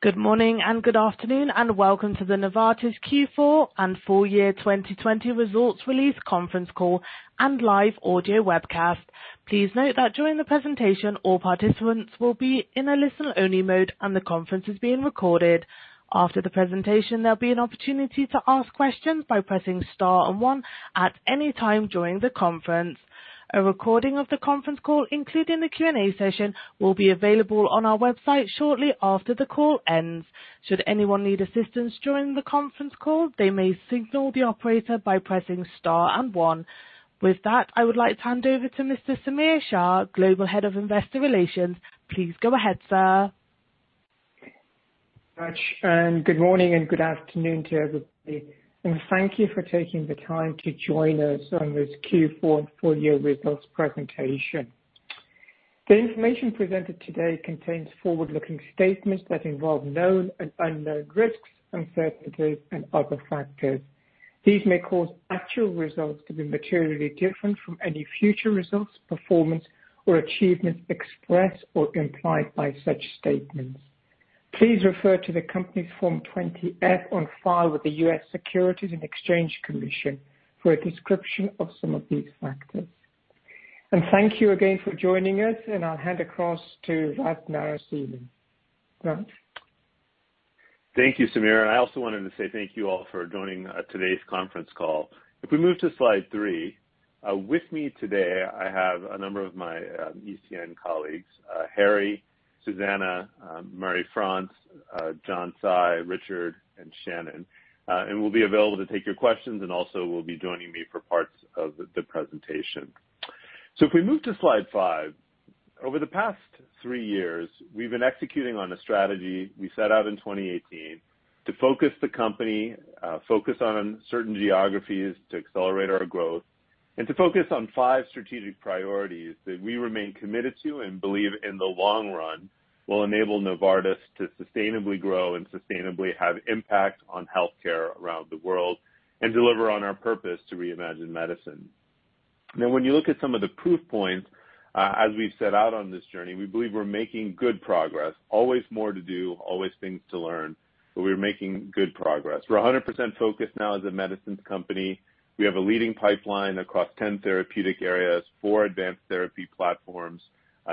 Good morning and good afternoon, and welcome to the Novartis Q4 and full year 2020 results release conference call and live audio webcast. Please note that during the presentation, all participants will be in a listen-only mode and the conference is being recorded. After the presentation, there'll be an opportunity to ask questions by pressing star and one at any time during the conference. A recording of the conference call, including the Q&A session, will be available on our website shortly after the call ends. Should anyone need assistance during the conference call, they may signal the operator by pressing star and one. With that, I would like to hand over to Mr. Samir Shah, Global Head of Investor Relations. Please go ahead, sir. Good morning and good afternoon to everybody, and thank you for taking the time to join us on this Q4 and full-year results presentation. The information presented today contains forward-looking statements that involve known and unknown risks, uncertainties, and other factors. These may cause actual results to be materially different from any future results, performance, or achievements expressed or implied by such statements. Please refer to the company's Form 20-F on file with the U.S. Securities and Exchange Commission for a description of some of these factors. Thank you again for joining us, and I'll hand across to Vas Narasimhan. Vas. Thank you, Samir. I also wanted to say thank you all for joining today's conference call. If we move to slide three, with me today, I have a number of my ECN colleagues, Harry, Susanne, Marie-France, John Tsai, Richard, and Shannon. Will be available to take your questions and also will be joining me for parts of the presentation. If we move to slide five, over the past three years, we've been executing on a strategy we set out in 2018 to focus the company, focus on certain geographies to accelerate our growth, and to focus on five strategic priorities that we remain committed to and believe in the long run will enable Novartis to sustainably grow and sustainably have impact on healthcare around the world and deliver on our purpose to reimagine medicine. When you look at some of the proof points, as we've set out on this journey, we believe we're making good progress. Always more to do, always things to learn, we're making good progress. We're 100% focused now as a medicines company. We have a leading pipeline across 10 therapeutic areas, four advanced therapy platforms,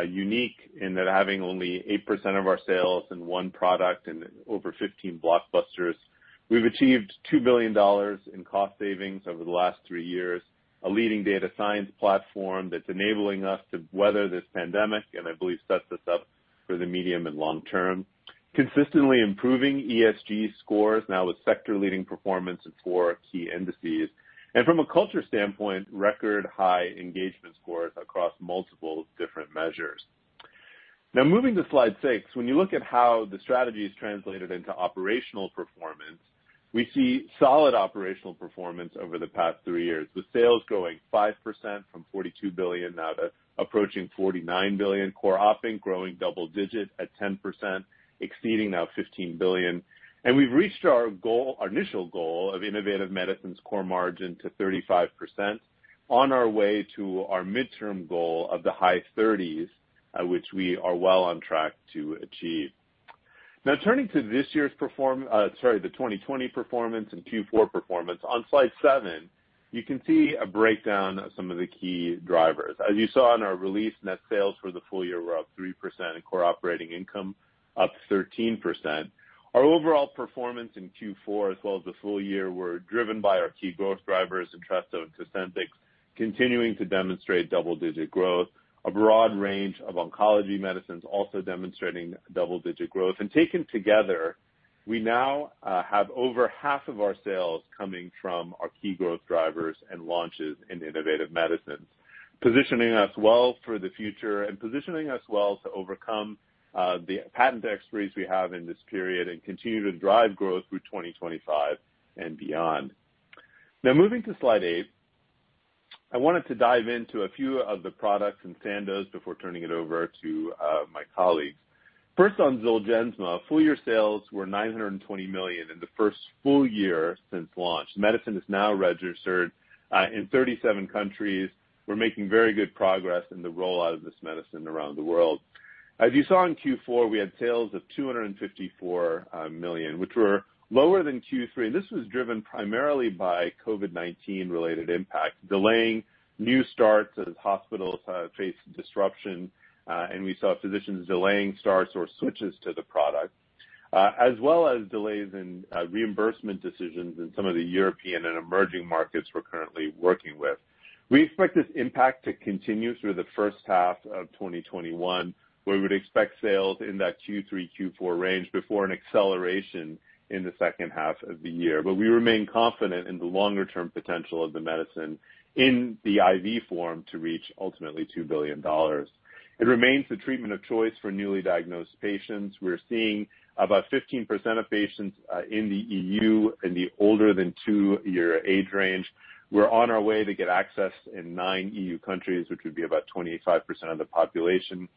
unique in that having only 8% of our sales in one product and over 15 blockbusters. We've achieved $2 billion in cost savings over the last three years. A leading data science platform that's enabling us to weather this pandemic, I believe sets us up for the medium and long term. Consistently improving ESG scores, now with sector leading performance in four key indices. From a culture standpoint, record high engagement scores across multiple different measures. Moving to slide six. When you look at how the strategy is translated into operational performance, we see solid operational performance over the past three years, with sales growing 5% from $42 billion now to approaching $49 billion. Core op income growing double digit at 10%, exceeding now $15 billion. We've reached our initial goal of innovative medicines core margin to 35% on our way to our midterm goal of the high 30s, which we are well on track to achieve. Now turning to the 2020 performance and Q4 performance. On slide seven, you can see a breakdown of some of the key drivers. As you saw in our release net sales for the full year were up 3% and core operating income up 13%. Our overall performance in Q4 as well as the full year were driven by our key growth drivers, Entresto and Cosentyx continuing to demonstrate double-digit growth. A broad range of oncology medicines also demonstrating double-digit growth. Taken together, we now have over half of our sales coming from our key growth drivers and launches in innovative medicines, positioning us well for the future and positioning us well to overcome the patent expiries we have in this period and continue to drive growth through 2025 and beyond. Now moving to slide eight. I wanted to dive into a few of the products and Sandoz before turning it over to my colleagues. First on Zolgensma. Full year sales were $920 million in the first full year since launch. The medicine is now registered in 37 countries. We're making very good progress in the roll-out of this medicine around the world. As you saw in Q4, we had sales of $254 million, which were lower than Q3. This was driven primarily by COVID-19 related impact, delaying new starts as hospitals faced disruption. We saw physicians delaying starts or switches to the product, as well as delays in reimbursement decisions in some of the European and emerging markets we're currently working with. We expect this impact to continue through the first half of 2021. We would expect sales in that Q3-Q4 range before an acceleration in the second half of the year. We remain confident in the longer-term potential of the medicine in the IV form to reach ultimately $2 billion. It remains the treatment of choice for newly diagnosed patients. We're seeing about 15% of patients in the EU. in the older than two year age range. We're on our way to get access in nine EU countries, which would be about 25% of the population.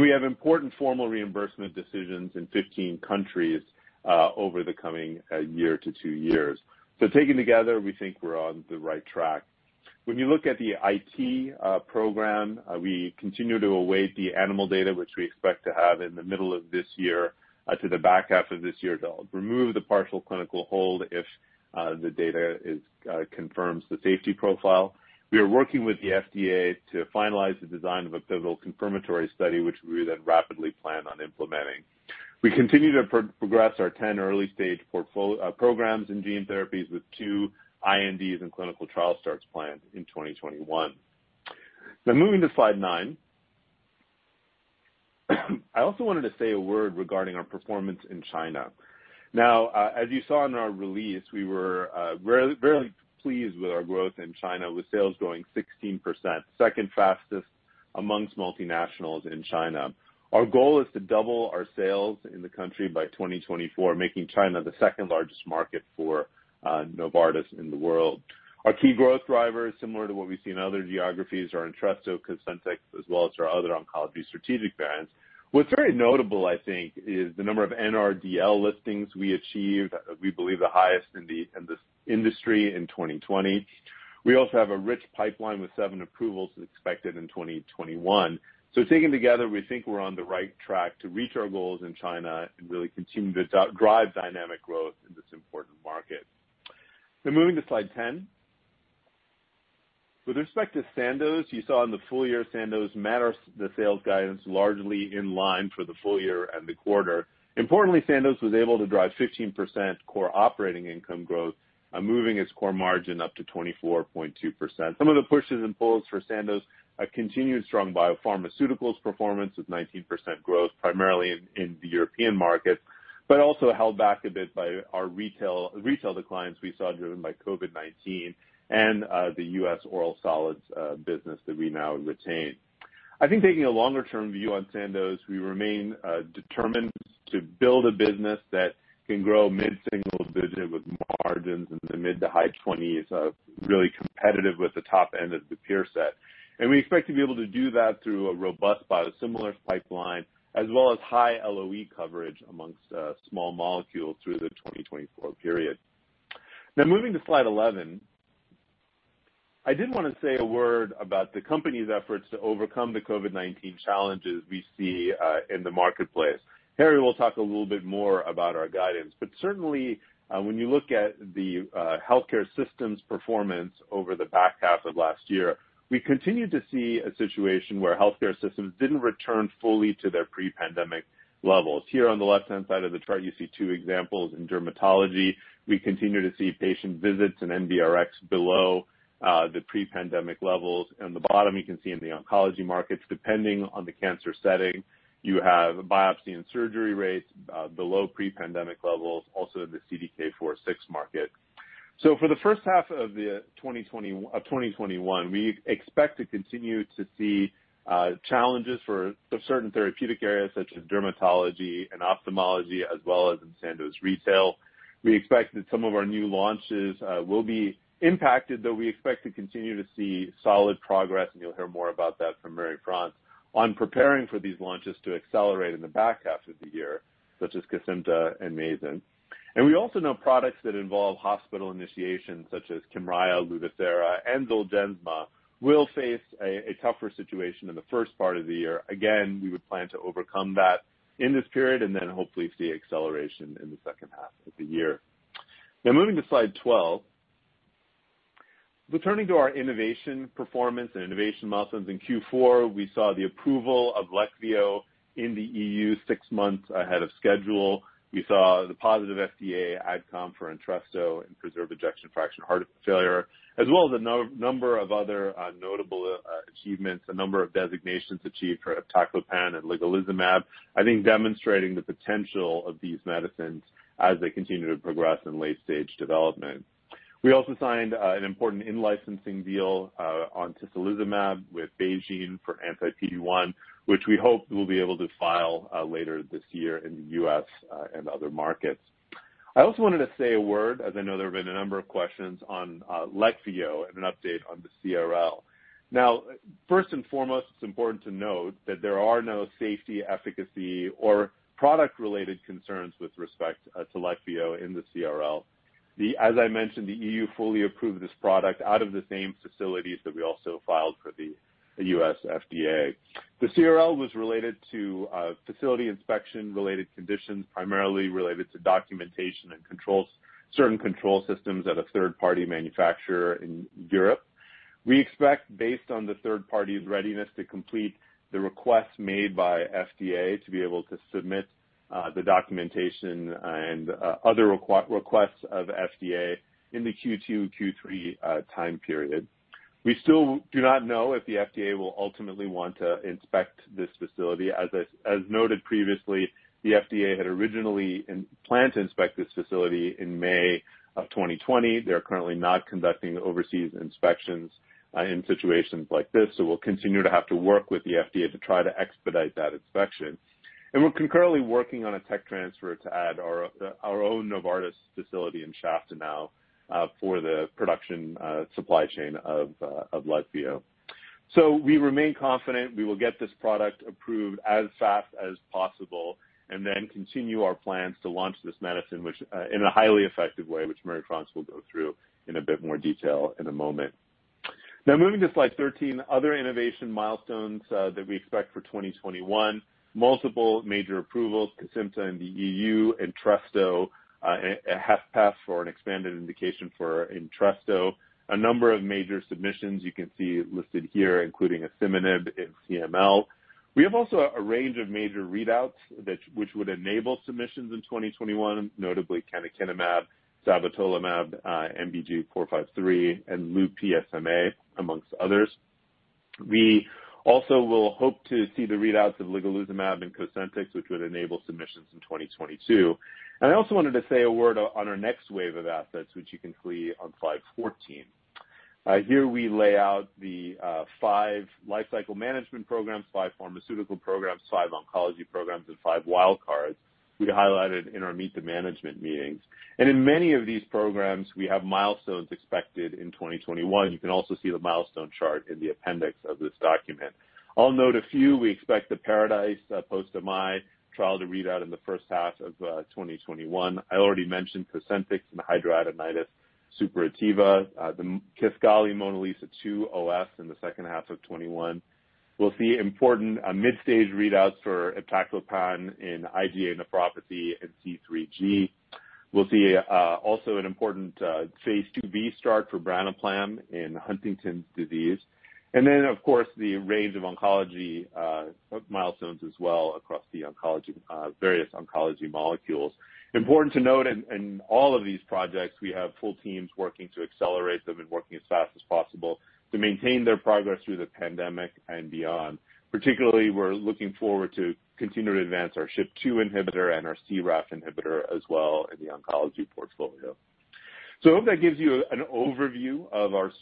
We have important formal reimbursement decisions in 15 countries over the coming year to two years. Taken together, we think we're on the right track. When you look at the IT program, we continue to await the animal data, which we expect to have in the middle of this year to the back half of this year to remove the partial clinical hold if the data confirms the safety profile. We are working with the FDA to finalize the design of a pivotal confirmatory study, which we then rapidly plan on implementing. We continue to progress our 10 early-stage programs in gene therapies with two INDs and clinical trial starts planned in 2021. Moving to slide nine. I also wanted to say a word regarding our performance in China. As you saw in our release, we were very pleased with our growth in China, with sales growing 16%, second fastest amongst multinationals in China. Our goal is to double our sales in the country by 2024, making China the second-largest market for Novartis in the world. Our key growth drivers, similar to what we see in other geographies, are Entresto, Cosentyx, as well as our other oncology strategic brands. What's very notable, I think, is the number of NRDL listings we achieved, we believe the highest in the industry in 2020. We also have a rich pipeline with seven approvals expected in 2021. Taken together, we think we're on the right track to reach our goals in China and really continue to drive dynamic growth in this important market. Moving to slide 10. With respect to Sandoz, you saw in the full year Sandoz met or exceeded the sales guidance largely in line for the full year and the quarter. Importantly, Sandoz was able to drive 15% core operating income growth, moving its core margin up to 24.2%. Some of the pushes and pulls for Sandoz, a continued strong biopharmaceuticals performance with 19% growth primarily in the European markets, but also held back a bit by our retail declines we saw driven by COVID-19 and the U.S. oral solids business that we now retain. I think taking a longer-term view on Sandoz, we remain determined to build a business that can grow mid-single digit with margins in the mid to high 20s, really competitive with the top end of the peer set. We expect to be able to do that through a robust biosimilar pipeline as well as high LOE coverage amongst small molecules through the 2024 period. Moving to slide 11. I did want to say a word about the company's efforts to overcome the COVID-19 challenges we see in the marketplace. Harry will talk a little bit more about our guidance, but certainly when you look at the healthcare systems performance over the back half of last year, we continue to see a situation where healthcare systems didn't return fully to their pre-pandemic levels. Here on the left-hand side of the chart, you see two examples in dermatology. We continue to see patient visits and NBRx below the pre-pandemic levels. In the bottom, you can see in the oncology markets, depending on the cancer setting, you have biopsy and surgery rates below pre-pandemic levels, also in the CDK4/6 market. For the first half of 2021, we expect to continue to see challenges for certain therapeutic areas such as dermatology and ophthalmology, as well as in Sandoz Retail. We expect that some of our new launches will be impacted, though we expect to continue to see solid progress, and you'll hear more about that from Marie-France on preparing for these launches to accelerate in the back half of the year, such as Cosentyx and Mayzent. We also know products that involve hospital initiation, such as Kymriah, Lutathera, and Zolgensma, will face a tougher situation in the first part of the year. We would plan to overcome that in this period and then hopefully see acceleration in the second half of the year. Moving to slide 12. Turning to our innovation performance and innovation milestones in Q4, we saw the approval of Leqvio in the EU six months ahead of schedule. We saw the positive FDA AdCom for Entresto in preserved ejection fraction heart failure, as well as a number of other notable achievements, a number of designations achieved for iptacopan and ligelizumab. I think demonstrating the potential of these medicines as they continue to progress in late-stage development. We also signed an important in-licensing deal on tislelizumab with BeiGene for anti-PD-1, which we hope we'll be able to file later this year in the U.S. and other markets. I also wanted to say a word, as I know there have been a number of questions on Leqvio and an update on the CRL. First and foremost, it's important to note that there are no safety, efficacy, or product-related concerns with respect to Leqvio in the CRL. As I mentioned, the EU fully approved this product out of the same facilities that we also filed for the U.S. FDA. The CRL was related to facility inspection-related conditions, primarily related to documentation and certain control systems at a third-party manufacturer in Europe. We expect, based on the third party's readiness to complete the requests made by FDA to be able to submit the documentation and other requests of FDA in the Q2/Q3 time period. We still do not know if the FDA will ultimately want to inspect this facility. As noted previously, the FDA had originally planned to inspect this facility in May of 2020. They're currently not conducting overseas inspections in situations like this, so we'll continue to have to work with the FDA to try to expedite that inspection. We're concurrently working on a tech transfer to add our own Novartis facility in Schaftenau for the production supply chain of Leqvio. We remain confident we will get this product approved as fast as possible and then continue our plans to launch this medicine, in a highly effective way, which Marie-France will go through in a bit more detail in a moment. Now, moving to slide 13, other innovation milestones that we expect for 2021. Multiple major approvals, Cosentyx in the EU, Entresto, a HFpEF for an expanded indication for Entresto. A number of major submissions you can see listed here, including asciminib in CML. We have also a range of major readouts, which would enable submissions in 2021, notably canakinumab, sabatolimab, MBG453, and Lu-PSMA, amongst others. We also will hope to see the readouts of ligelizumab and Cosentyx, which would enable submissions in 2022. I also wanted to say a word on our next wave of assets, which you can see on slide 14. Here we lay out the five lifecycle management programs, five pharmaceutical programs, five oncology programs, and five wild cards we highlighted in our Meet the Management meetings. In many of these programs, we have milestones expected in 2021. You can also see the milestone chart in the appendix of this document. I'll note a few. We expect the PARADISE post-AMI trial to read out in the first half of 2021. I already mentioned Cosentyx and hidradenitis, suppurativa, the Kisqali, MONALEESA-2 OS in the second half of 2021. We'll see important mid-stage readouts for iptacopan in IgA nephropathy and C3G. We'll see also an important phase IIB start for branaplam in Huntington's disease. Of course, the range of oncology milestones as well across the various oncology molecules. Important to note, in all of these projects, we have full teams working to accelerate them and working as fast as possible to maintain their progress through the pandemic and beyond. Particularly, we're looking forward to continue to advance our SHP2 inhibitor and our CRAF inhibitor as well in the oncology portfolio. I hope that gives you an overview of our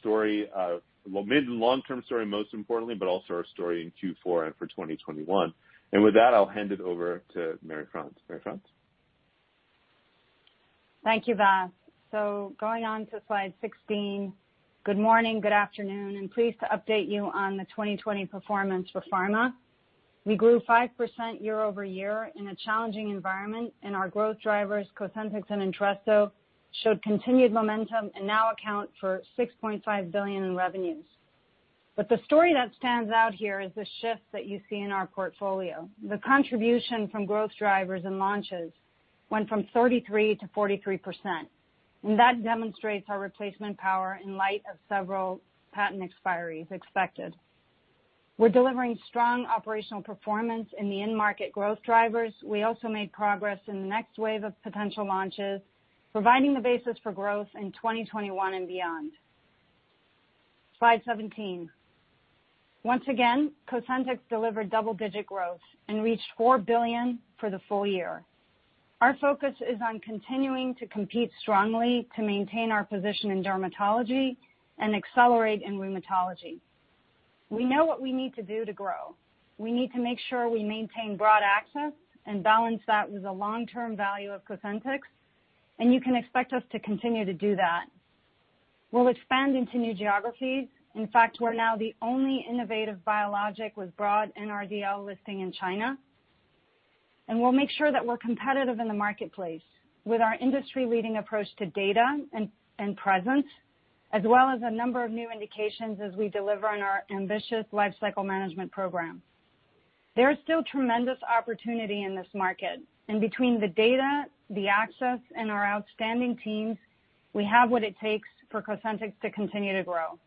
mid- and long-term story most importantly, but also our story in Q4 and for 2021. With that, I'll hand it over to Marie-France. Marie-France? Thank you, Vas. Going on to slide 16. Good morning, good afternoon, pleased to update you on the 2020 performance for Pharma. We grew 5% year-over-year in a challenging environment, our growth drivers, Cosentyx and Entresto, showed continued momentum and now account for $6.5 billion in revenues. The story that stands out here is the shift that you see in our portfolio. The contribution from growth drivers and launches went from 33% to 43%, that demonstrates our replacement power in light of several patent expiries expected. We're delivering strong operational performance in the end-market growth drivers. We also made progress in the next wave of potential launches, providing the basis for growth in 2021 and beyond. Slide 17. Once again, Cosentyx delivered double-digit growth and reached $4 billion for the full year. Our focus is on continuing to compete strongly to maintain our position in dermatology and accelerate in rheumatology. We know what we need to do to grow. We need to make sure we maintain broad access and balance that with the long-term value of Cosentyx, and you can expect us to continue to do that. We'll expand into new geographies. In fact, we're now the only innovative biologic with broad NRDL listing in China. We'll make sure that we're competitive in the marketplace with our industry-leading approach to data and presence, as well as a number of new indications as we deliver on our ambitious lifecycle management program. There is still tremendous opportunity in this market, and between the data, the access, and our outstanding teams, we have what it takes for Cosentyx to continue to grow.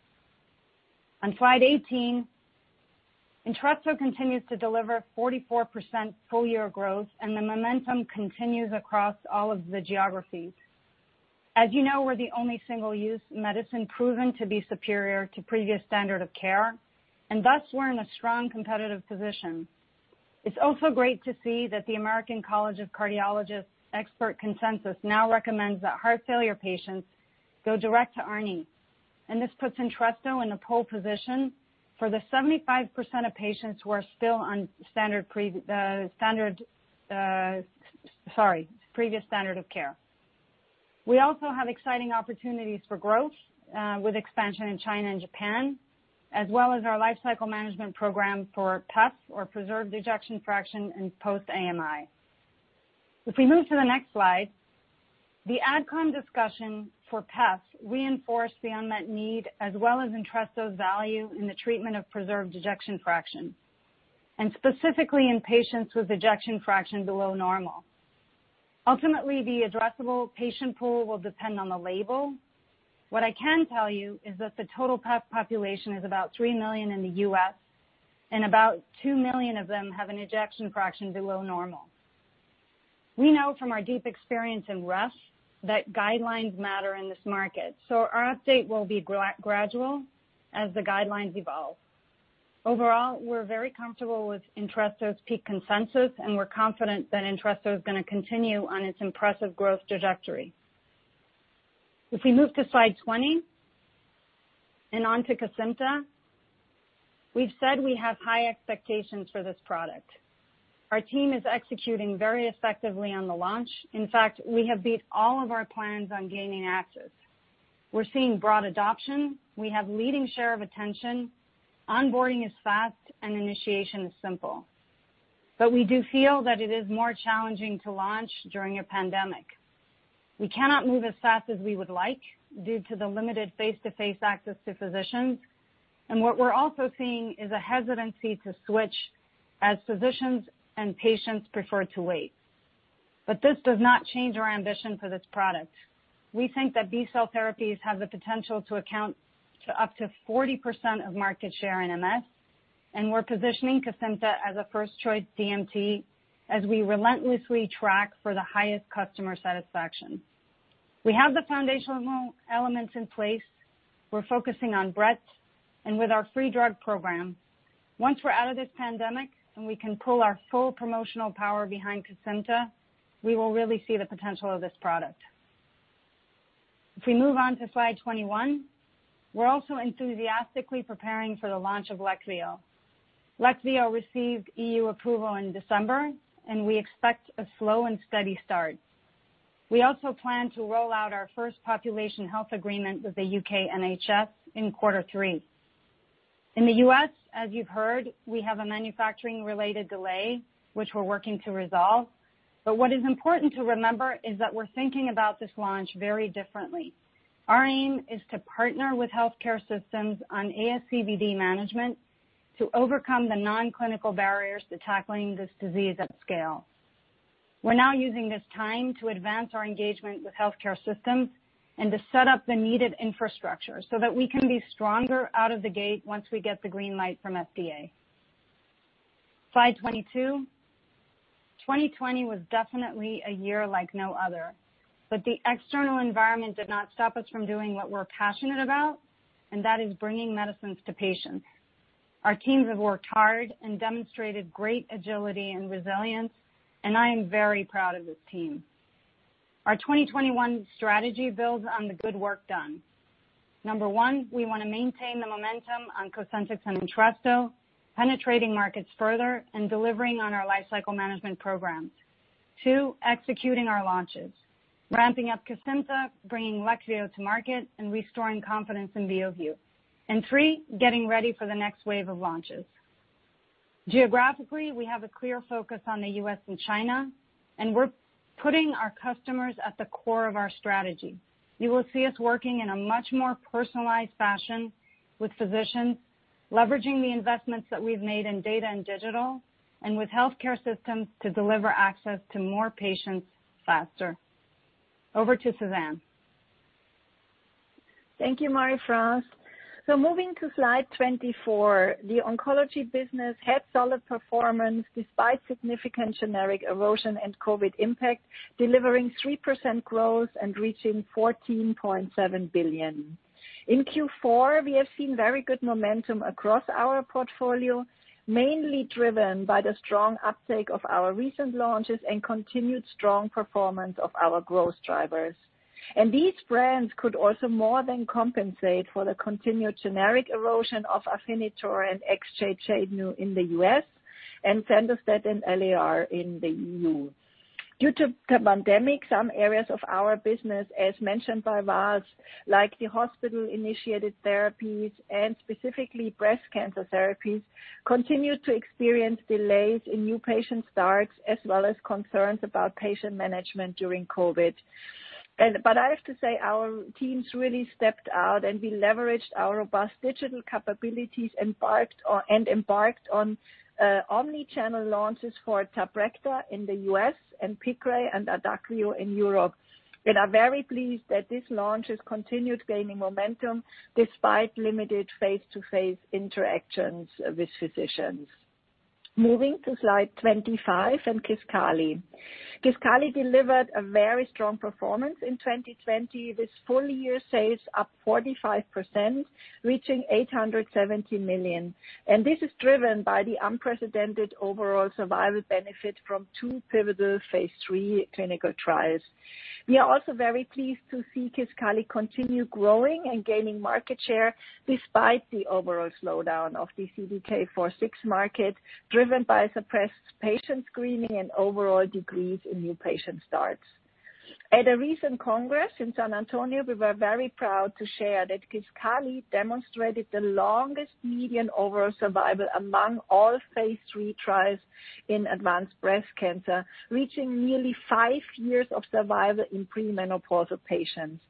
On slide 18, Entresto continues to deliver 44% full-year growth. The momentum continues across all of the geographies. As you know, we're the only single-use medicine proven to be superior to previous standard of care, and thus we're in a strong competitive position. It's also great to see that the American College of Cardiology's expert consensus now recommends that heart failure patients go direct to ARNI. This puts Entresto in a pole position for the 75% of patients who are still on previous standard of care. We also have exciting opportunities for growth with expansion in China and Japan, as well as our lifecycle management program for HFpEF or preserved ejection fraction in post-AMI. If we move to the next slide, the AdCom discussion for HFpEF reinforced the unmet need as well as Entresto's value in the treatment of preserved ejection fraction, and specifically in patients with ejection fraction below normal. Ultimately, the addressable patient pool will depend on the label. What I can tell you is that the total HFpEF population is about $3 million in the U.S., and about $2 million of them have an ejection fraction below normal. We know from our deep experience in HFrEF that guidelines matter in this market, so our update will be gradual as the guidelines evolve. Overall, we're very comfortable with Entresto's peak consensus, and we're confident that Entresto is going to continue on its impressive growth trajectory. If we move to slide 20 and onto Kesimpta, we've said we have high expectations for this product. Our team is executing very effectively on the launch. In fact, we have beat all of our plans on gaining access. We are seeing broad adoption. We have leading share of attention. Onboarding is fast and initiation is simple. We do feel that it is more challenging to launch during a pandemic. We cannot move as fast as we would like due to the limited face-to-face access to physicians, and what we are also seeing is a hesitancy to switch as physicians and patients prefer to wait. This does not change our ambition for this product. We think that B-cell therapies have the potential to account to up to 40% of market share in MS, and we are positioning Kesimpta as a first-choice DMT as we relentlessly track for the highest customer satisfaction. We have the foundational elements in place. We are focusing on breadth and with our free drug program. Once we're out of this pandemic and we can pull our full promotional power behind Kesimpta, we will really see the potential of this product. If we move on to slide 21, we're also enthusiastically preparing for the launch of Leqvio. Leqvio received EU approval in December, we expect a slow and steady start. We also plan to roll out our first population health agreement with the U.K. NHS in quarter three. In the U.S., as you've heard, we have a manufacturing-related delay, which we're working to resolve. What is important to remember is that we're thinking about this launch very differently. Our aim is to partner with healthcare systems on ASCVD management to overcome the non-clinical barriers to tackling this disease at scale. We're now using this time to advance our engagement with healthcare systems and to set up the needed infrastructure so that we can be stronger out of the gate once we get the green light from FDA. Slide 22. 2020 was definitely a year like no other. The external environment did not stop us from doing what we're passionate about, and that is bringing medicines to patients. Our teams have worked hard and demonstrated great agility and resilience, and I am very proud of this team. Our 2021 strategy builds on the good work done. Number one, we want to maintain the momentum on Cosentyx and Entresto, penetrating markets further and delivering on our lifecycle management programs. Two, executing our launches, ramping up Kesimpta, bringing Leqvio to market, and restoring confidence in Beovu. Three, getting ready for the next wave of launches. Geographically, we have a clear focus on the U.S. and China, and we're putting our customers at the core of our strategy. You will see us working in a much more personalized fashion with physicians, leveraging the investments that we've made in data and digital, and with healthcare systems to deliver access to more patients faster. Over to Susanne. Thank you, Marie-France. Moving to slide 24, the oncology business had solid performance despite significant generic erosion and COVID impact, delivering 3% growth and reaching $14.7 billion. In Q4, we have seen very good momentum across our portfolio, mainly driven by the strong uptake of our recent launches and continued strong performance of our growth drivers. These brands could also more than compensate for the continued generic erosion of Afinitor and Exjade in the U.S. and Sandostatin LAR in the EU. Due to the pandemic, some areas of our business, as mentioned by Vas, like the hospital-initiated therapies and specifically breast cancer therapies, continued to experience delays in new patient starts, as well as concerns about patient management during COVID. I have to say, our teams really stepped out, and we leveraged our robust digital capabilities and embarked on omni-channel launches for Tabrecta in the U.S. and Piqray and Adakveo in Europe. We are very pleased that these launches continued gaining momentum despite limited face-to-face interactions with physicians. Moving to slide 25 on Kisqali. Kisqali delivered a very strong performance in 2020, with full-year sales up 45%, reaching $870 million. This is driven by the unprecedented overall survival benefit from two pivotal phase III clinical trials. We are also very pleased to see Kisqali continue growing and gaining market share despite the overall slowdown of the CDK4/6 market, driven by suppressed patient screening and overall decrease in new patient starts. At a recent congress in San Antonio, we were very proud to share that Kisqali demonstrated the longest median overall survival among all phase III trials in advanced breast cancer, reaching nearly five years of survival in premenopausal patients.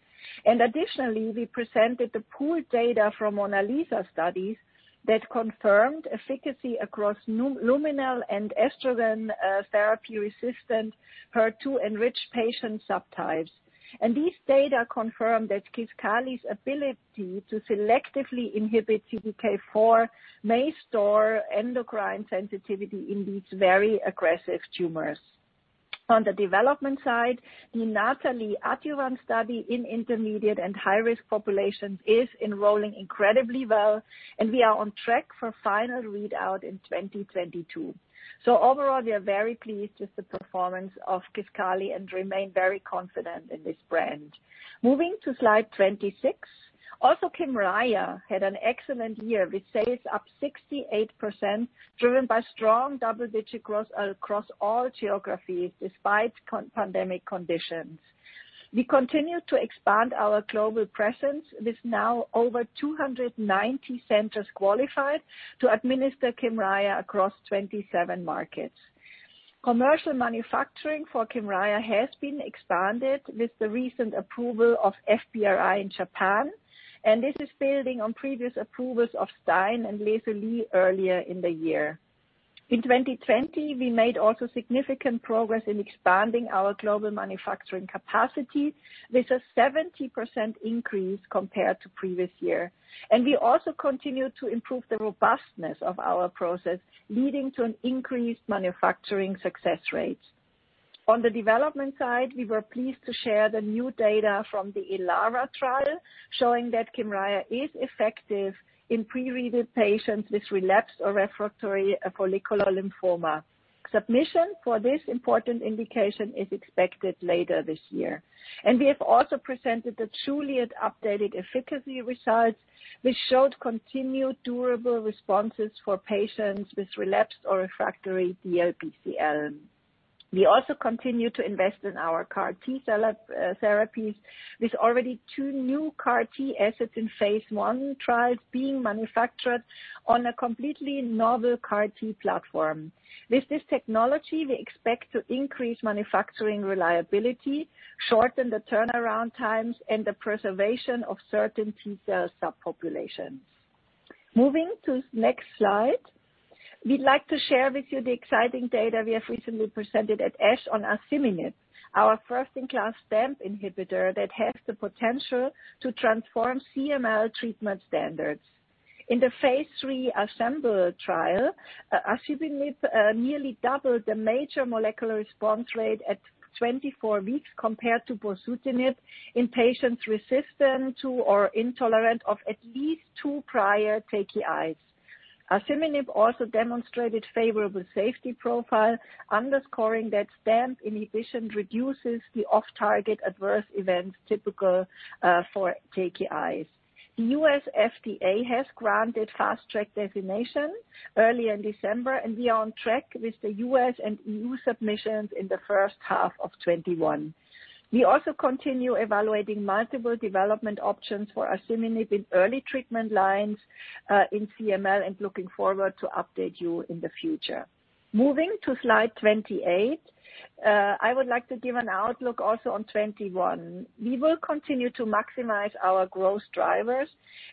Additionally, we presented the pooled data from MONALEESA studies that confirmed efficacy across luminal and estrogen therapy-resistant HER2-enriched patient subtypes. These data confirm that Kisqali's ability to selectively inhibit CDK4 may restore endocrine sensitivity in these very aggressive tumors. On the development side, the NATALEE adjuvant study in intermediate and high-risk populations is enrolling incredibly well, and we are on track for final readout in 2022. Overall, we are very pleased with the performance of Kisqali and remain very confident in this brand. Moving to slide 26. Also, Kymriah had an excellent year with sales up 68%, driven by strong double-digit growth across all geographies despite pandemic conditions. We continue to expand our global presence with now over 290 centers qualified to administer Kymriah across 27 markets. Commercial manufacturing for Kymriah has been expanded with the recent approval of FBRI in Japan, this is building on previous approvals of Stein and [Leslie] earlier in the year. In 2020, we made also significant progress in expanding our global manufacturing capacity with a 70% increase compared to previous year. We also continued to improve the robustness of our process, leading to an increased manufacturing success rate. On the development side, we were pleased to share the new data from the ELARA trial, showing that Kymriah is effective in pre-treated patients with relapsed or refractory follicular lymphoma. Submission for this important indication is expected later this year. We have also presented the JULIET updated efficacy results, which showed continued durable responses for patients with relapsed or refractory DLBCL. We also continue to invest in our CAR-T cell therapies with already two new CAR-T assets in phase I trials being manufactured on a completely novel CAR-T platform. With this technology, we expect to increase manufacturing reliability, shorten the turnaround times, and the preservation of certain T-cell subpopulations. Moving to next slide. We'd like to share with you the exciting data we have recently presented at ASH on asciminib, our first-in-class STAMP inhibitor that has the potential to transform CML treatment standards. In the phase III ASCEMBL trial, asciminib nearly doubled the major molecular response rate at 24 weeks compared to bosutinib in patients resistant to or intolerant of at least two prior TKIs. Asciminib also demonstrated favorable safety profile, underscoring that STAMP inhibition reduces the off-target adverse events typical for TKIs. The U.S. FDA has granted Fast Track designation early in December. We are on track with the U.S. and EU submissions in the first half of 2021. We also continue evaluating multiple development options for asciminib in early treatment lines, in CML and looking forward to update you in the future. Moving to slide 28. I would like to give an outlook also on 2021. We will continue to maximize our growth drivers.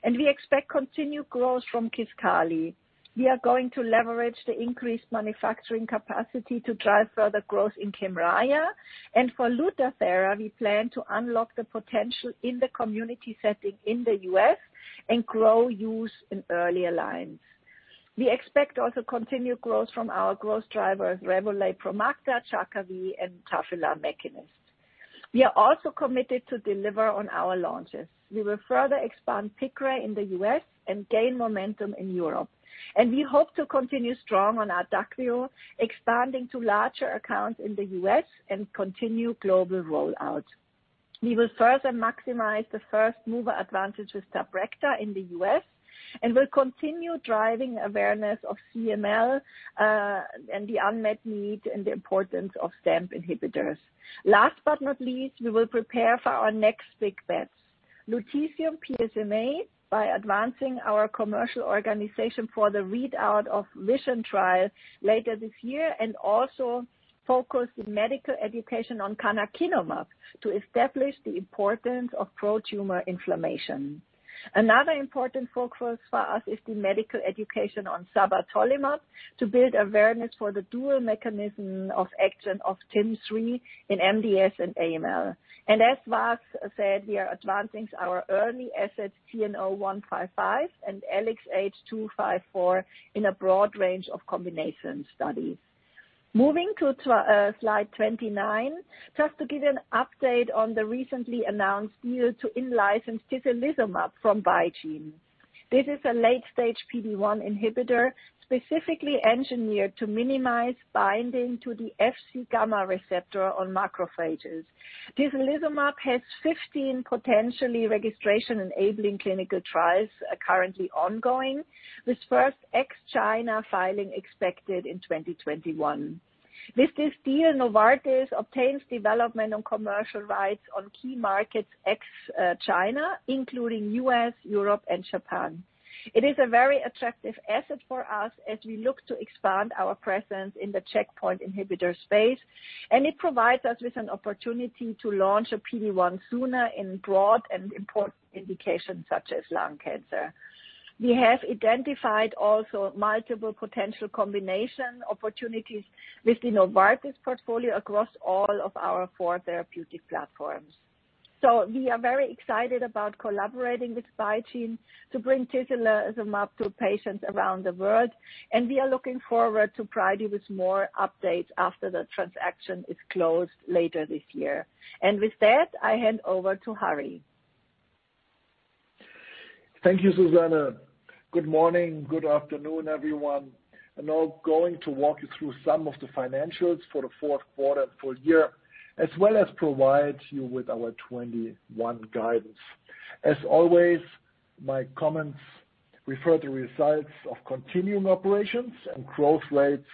We expect continued growth from Kisqali. We are going to leverage the increased manufacturing capacity to drive further growth in Kymriah. For Lutathera, we plan to unlock the potential in the community setting in the U.S. and grow use in earlier lines. We expect also continued growth from our growth drivers REVOLADE, Promacta, Jakavi, and Tafinlar/Mekinist. We are also committed to deliver on our launches. We will further expand Piqray in the U.S. and gain momentum in Europe. We hope to continue strong on Adakveo, expanding to larger accounts in the U.S. and continue global rollout. We will further maximize the first-mover advantage with Tabrecta in the U.S. and will continue driving awareness of CML, and the unmet need and the importance of STAMP inhibitors. Last but not least, we will prepare for our next big bets. Lutetium PSMA by advancing our commercial organization for the readout of VISION trial later this year, and also focus the medical education on canakinumab to establish the importance of pro-tumor inflammation. Another important focus for us is the medical education on sabatolimab to build awareness for the dual mechanism of action of TIM-3 in MDS and AML. As Vas said, we are advancing our early assets TNO155 and LXH254 in a broad range of combination studies. Moving to slide 29. To give an update on the recently announced deal to in-license tislelizumab from BeiGene. This is a late-stage PD-1 inhibitor specifically engineered to minimize binding to the Fc gamma receptor on macrophages. Tislelizumab has 15 potentially registration-enabling clinical trials currently ongoing, with first ex-China filing expected in 2021. With this deal, Novartis obtains development on commercial rights on key markets ex-China, including U.S., Europe, and Japan. It is a very attractive asset for us as we look to expand our presence in the checkpoint inhibitor space. It provides us with an opportunity to launch a PD-1 sooner in broad and important indications such as lung cancer. We have identified also multiple potential combination opportunities within the Novartis portfolio across all of our four therapeutic platforms. We are very excited about collaborating with BeiGene to bring tislelizumab to patients around the world, and we are looking forward to provide you with more updates after the transaction is closed later this year. With that, I hand over to Harry. Thank you, Susanne. Good morning, good afternoon, everyone. I'm now going to walk you through some of the financials for the fourth quarter and full year, as well as provide you with our 2021 guidance. As always, my comments refer to results of continuing operations and growth rates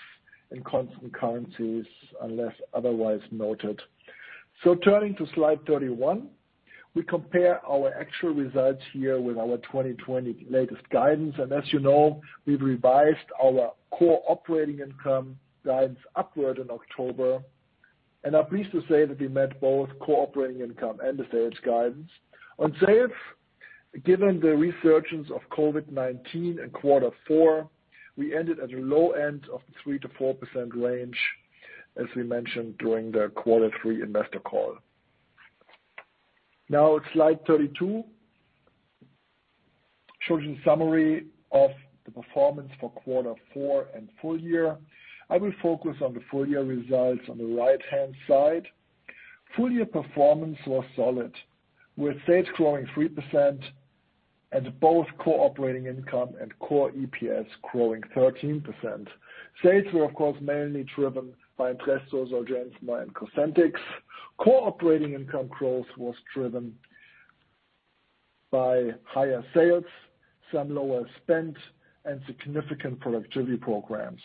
in constant currencies, unless otherwise noted. Turning to slide 31, we compare our actual results here with our 2020 latest guidance. As you know, we've revised our core operating income guidance upward in October, and are pleased to say that we met both core operating income and the sales guidance. On sales, given the resurgence of COVID-19 in quarter four, we ended at the low end of the 3%-4% range, as we mentioned during the quarter three investor call. Slide 32 shows you a summary of the performance for quarter four and full year. I will focus on the full-year results on the right-hand side. Full-year performance was solid, with sales growing 3% and both core operating income and core EPS growing 13%. Sales were of course mainly driven by Entresto, Zolgensma, and Cosentyx. Core operating income growth was driven by higher sales, some lower spend, and significant productivity programs.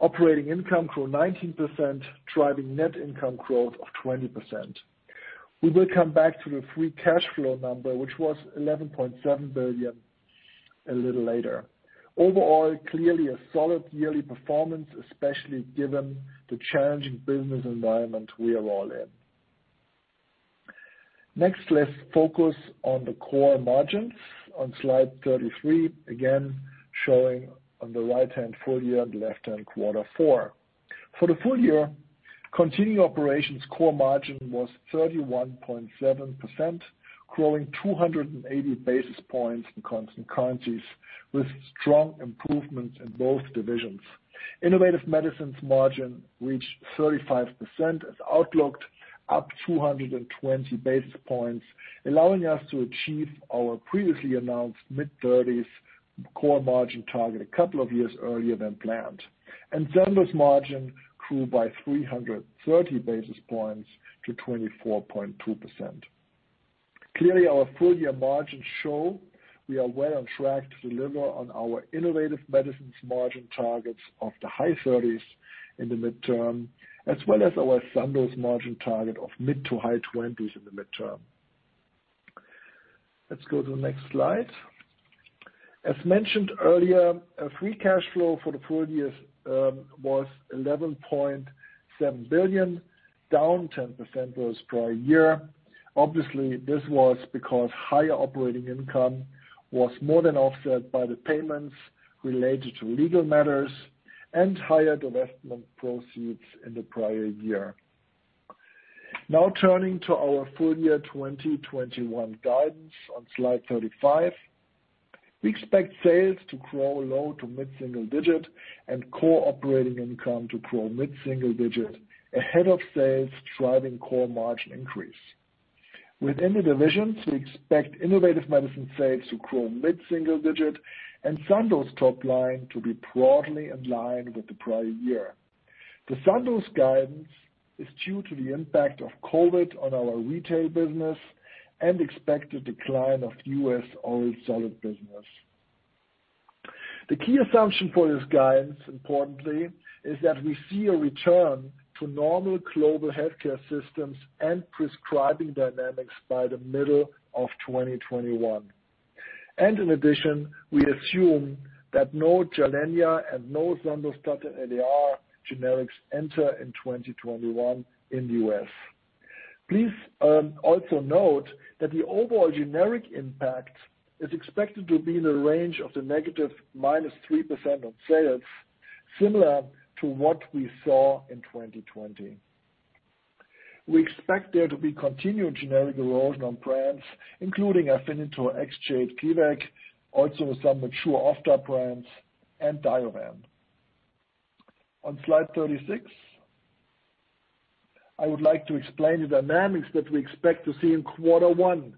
Operating income grew 19%, driving net income growth of 20%. We will come back to the free cash flow number, which was $11.7 billion, a little later. Clearly a solid yearly performance, especially given the challenging business environment we are all in. Let's focus on the core margins on slide 33, again, showing on the right-hand full year and left-hand quarter four. For the full year, continuing operations core margin was 31.7%, growing 280 basis points in constant currencies with strong improvement in both divisions. Innovative Medicines margin reached 35% as outlooked, up 220 basis points, allowing us to achieve our previously announced mid-30s core margin target a couple of years earlier than planned. Sandoz margin grew by 330 basis points to 24.2%. Clearly, our full-year margins show we are well on track to deliver on our Innovative Medicines margin targets of the high 30s in the midterm, as well as our Sandoz margin target of mid to high 20s in the midterm. Let's go to the next slide. As mentioned earlier, free cash flow for the full year was $11.7 billion, down 10% versus prior year. Obviously, this was because higher operating income was more than offset by the payments related to legal matters and higher divestment proceeds in the prior year. Now turning to our full-year 2021 guidance on slide 35. We expect sales to grow low to mid-single digit and core operating income to grow mid-single digit, ahead of sales driving core margin increase. Within the divisions, we expect Innovative Medicine sales to grow mid-single digit and Sandoz top line to be broadly in line with the prior year. The Sandoz guidance is due to the impact of COVID on our retail business and expected decline of U.S. oral solid business. The key assumption for this guidance, importantly, is that we see a return to normal global healthcare systems and prescribing dynamics by the middle of 2021. In addition, we assume that no Gilenya and no Sandostatin LAR generics enter in 2021 in the U.S. Please also note that the overall generic impact is expected to be in the range of the negative -3% on sales, similar to what we saw in 2020. We expect there to be continued generic erosion on brands, including Afinitor, Exjade, [Kevzara], also some mature off-drop brands, and Diovan. On slide 36, I would like to explain the dynamics that we expect to see in quarter one,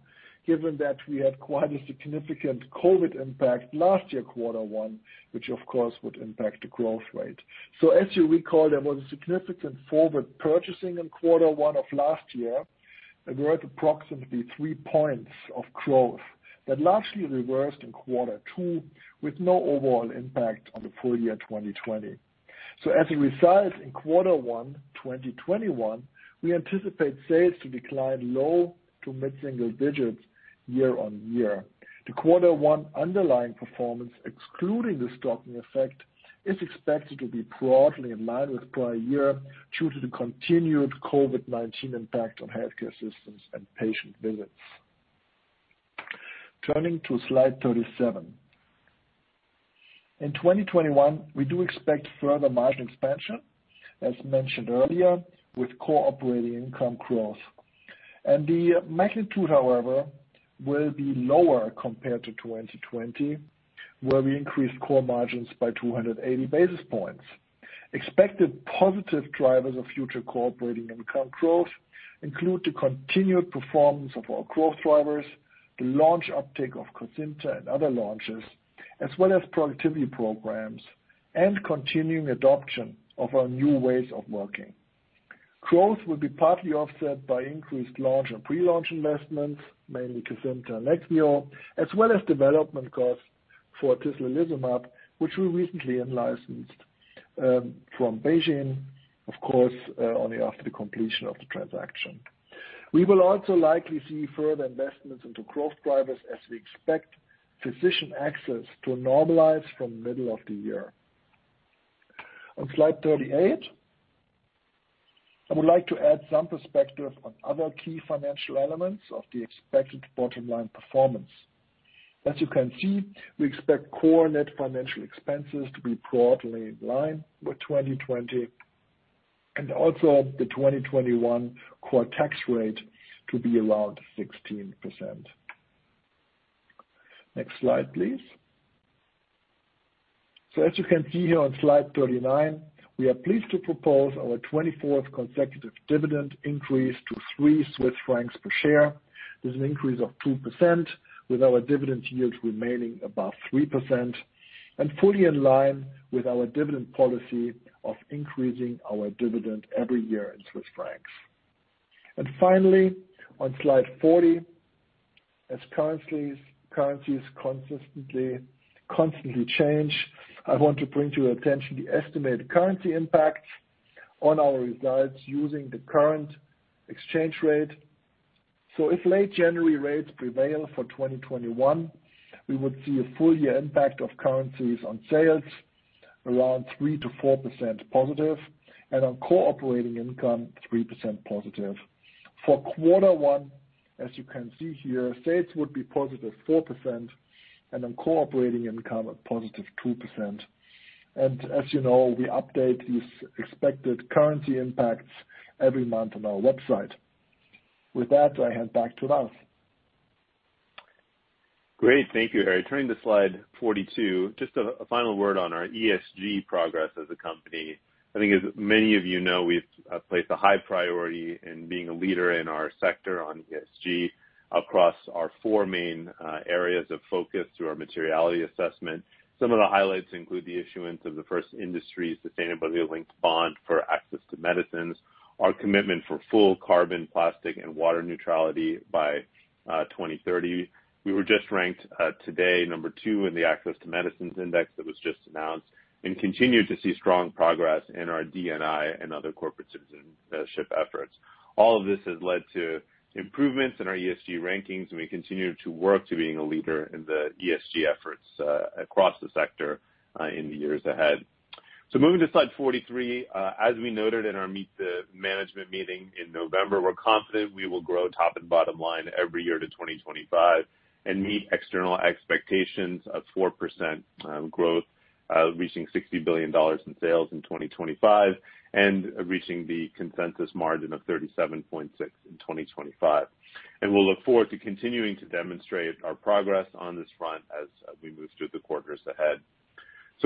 given that we had quite a significant COVID-19 impact last year, quarter one, which of course would impact the growth rate. As you recall, there was a significant forward purchasing in quarter one of last year. It worth approximately three points of growth that largely reversed in quarter two with no overall impact on the full year 2020. As a result, in quarter one 2021, we anticipate sales to decline low to mid-single digits year-on-year. The quarter one underlying performance, excluding the stocking effect, is expected to be broadly in line with prior year due to the continued COVID-19 impact on healthcare systems and patient visits. Turning to slide 37. In 2021, we do expect further margin expansion, as mentioned earlier, with core operating income growth. The magnitude, however, will be lower compared to 2020, where we increased core margins by 280 basis points. Expected positive drivers of future core operating income growth include the continued performance of our growth drivers, the launch uptake of Cosentyx and other launches, as well as productivity programs and continuing adoption of our new ways of working. Growth will be partly offset by increased launch and pre-launch investments, mainly Cosentyx and Leqvio, as well as development costs for tislelizumab, which we recently in-licensed from BeiGene, of course, only after the completion of the transaction. We will also likely see further investments into growth drivers as we expect physician access to normalize from middle of the year. On slide 38, I would like to add some perspective on other key financial elements of the expected bottom-line performance. As you can see, we expect core net financial expenses to be broadly in line with 2020, and also the 2021 core tax rate to be around 16%. Next slide, please. As you can see here on slide 39, we are pleased to propose our 24th consecutive dividend increase to 3 Swiss francs per share. This is an increase of 2%, with our dividend yield remaining above 3% and fully in line with our dividend policy of increasing our dividend every year in Swiss francs. Finally, on slide 40, as currencies constantly change, I want to bring to your attention the estimated currency impact on our results using the current exchange rate. If late January rates prevail for 2021, we would see a full year impact of currencies on sales around 3%-4%+, and on core operating income, 3%+. For quarter one, as you can see here, sales would be +4%, and on core operating income, a +2%. As you know, we update these expected currency impacts every month on our website. With that, I hand back to Vas. Great. Thank you, Harry. Turning to slide 42. Just a final word on our ESG progress as a company. I think as many of you know, we've placed a high priority in being a leader in our sector on ESG across our four main areas of focus through our materiality assessment. Some of the highlights include the issuance of the first industry sustainability-linked bond for access to medicines, our commitment for full carbon, plastic and water neutrality by 2030. We were just ranked today number two in the Access to Medicine Index that was just announced, and continue to see strong progress in our D&I and other corporate citizenship efforts. All of this has led to improvements in our ESG rankings, and we continue to work to being a leader in the ESG efforts across the sector in the years ahead. Moving to slide 43. As we noted in our Meet the Management meeting in November, we're confident we will grow top and bottom line every year to 2025 and meet external expectations of 4% growth, reaching $60 billion in sales in 2025 and reaching the consensus margin of 37.6% in 2025. We'll look forward to continuing to demonstrate our progress on this front as we move through the quarters ahead.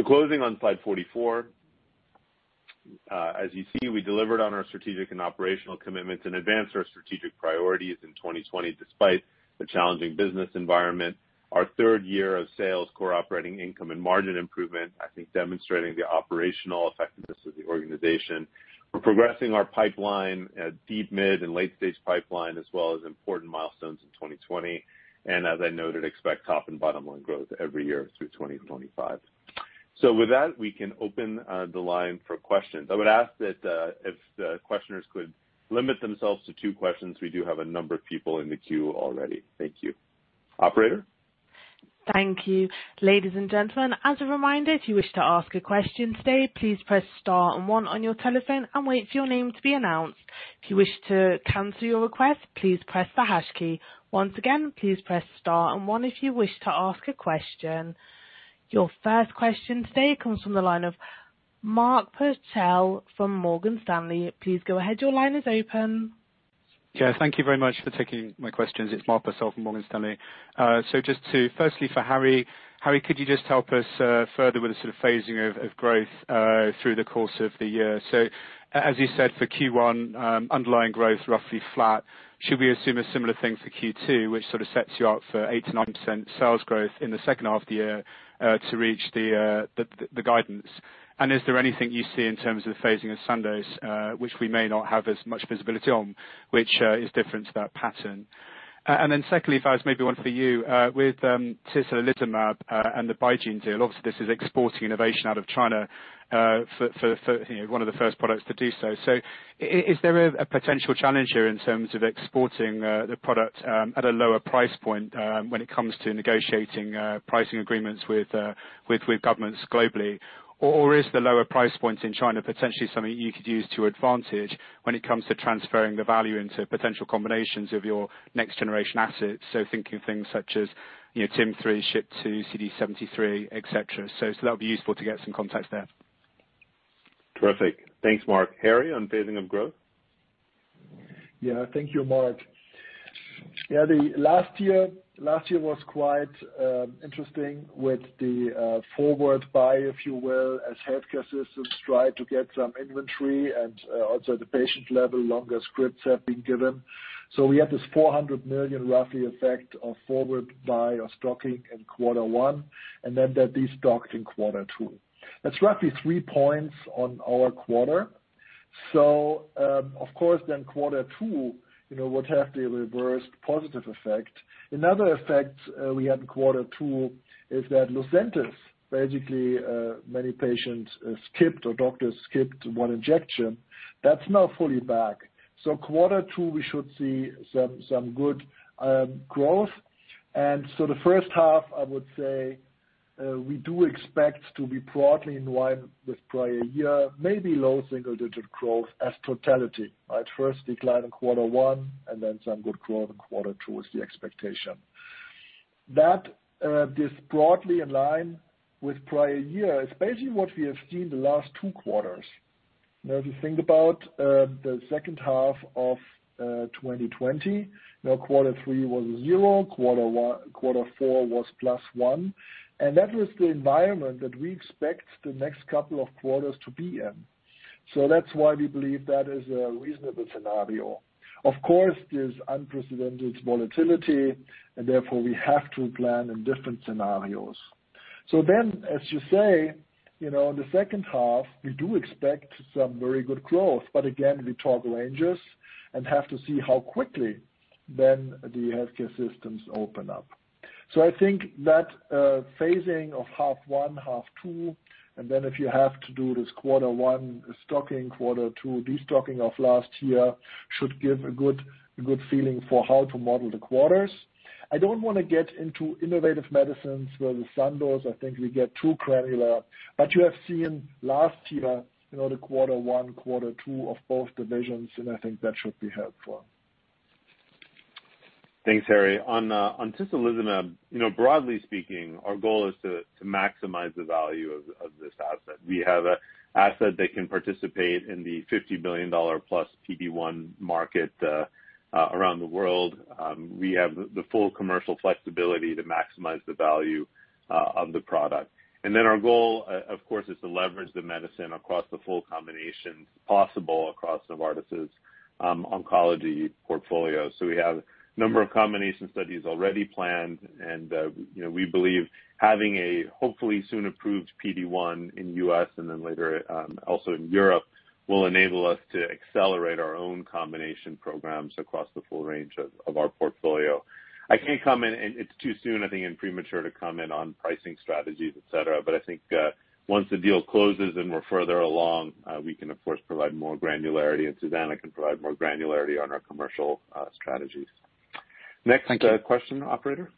Closing on slide 44. As you see, we delivered on our strategic and operational commitments and advanced our strategic priorities in 2020 despite the challenging business environment. Our third year of sales, core operating income and margin improvement, I think demonstrating the operational effectiveness of the organization. We're progressing our pipeline at deep, mid, and late-stage pipeline, as well as important milestones in 2020. As I noted, expect top and bottom line growth every year through 2025. With that, we can open the line for questions. I would ask that if the questioners could limit themselves to two questions, we do have a number of people in the queue already. Thank you. Operator? Thank you. Ladies and gentlemen. Your first question today comes from the line of Mark Purcell from Morgan Stanley. Please go ahead. Your line is open. Yeah, thank you very much for taking my questions. It's Mark Purcell from Morgan Stanley. Just firstly for Harry. Harry, could you just help us further with the sort of phasing of growth through the course of the year? As you said, for Q1, underlying growth roughly flat. Should we assume a similar thing for Q2, which sort of sets you up for 8%-9% sales growth in the second half of the year to reach the guidance? Is there anything you see in terms of the phasing of Sandoz, which we may not have as much visibility on, which is different to that pattern? Then secondly, if I was maybe one for you with tislelizumab and the BeiGene deal. Obviously, this is exporting innovation out of China for one of the first products to do so. Is there a potential challenge here in terms of exporting the product at a lower price point when it comes to negotiating pricing agreements with governments globally? Is the lower price point in China potentially something you could use to advantage when it comes to transferring the value into potential combinations of your next generation assets? Thinking of things such as TIM-3, SHP-2, CD73, et cetera. That would be useful to get some context there. Terrific. Thanks, Mark. Harry, on phasing of growth? Thank you, Mark. Last year was quite interesting with the forward buy, if you will, as healthcare systems tried to get some inventory and also the patient level longer scripts have been given. We had this 400 million roughly effect of forward buy or stocking in Q1 and then they de-stocked in Q2. That's roughly three points on our quarter. Of course then Q2 would have the reversed positive effect. Another effect we had in Q2 is that Lucentis, basically, many patients skipped or doctors skipped one injection. That's now fully back. Q2 we should see some good growth. The first half I would say, we do expect to be broadly in line with prior year, maybe low single-digit growth as totality. At first decline in quarter one and then some good growth in quarter two is the expectation. That is broadly in line with prior year. It's basically what we have seen the last two quarters. Now, if you think about the second half of 2020. Now quarter three was zero, quarter four was +1, and that was the environment that we expect the next couple of quarters to be in. That's why we believe that is a reasonable scenario. Of course, there's unprecedented volatility and therefore we have to plan in different scenarios. As you say, in the second half we do expect some very good growth, but again, we talk ranges and have to see how quickly then the healthcare systems open up. I think that phasing of half one, half two, and then if you have to do this quarter one stocking, quarter two de-stocking of last year should give a good feeling for how to model the quarters. I don't want to get into Innovative Medicines where the Sandoz, I think we get too granular. You have seen last year, the quarter one, quarter two of both divisions, and I think that should be helpful. Thanks, Harry. On tislelizumab, broadly speaking, our goal is to maximize the value of this asset. We have an asset that can participate in the $50 billion+ PD-1 market around the world. We have the full commercial flexibility to maximize the value of the product. Our goal, of course, is to leverage the medicine across the full combinations possible across Novartis' oncology portfolio. We have a number of combination studies already planned and we believe having a hopefully soon approved PD-1 in U.S. and then later, also in Europe, will enable us to accelerate our own combination programs across the full range of our portfolio. I can't comment and it's too soon, I think and premature to comment on pricing strategies, et cetera. I think, once the deal closes and we're further along, we can of course provide more granularity and Susanne can provide more granularity on our commercial strategies. Thank you. Next question, operator.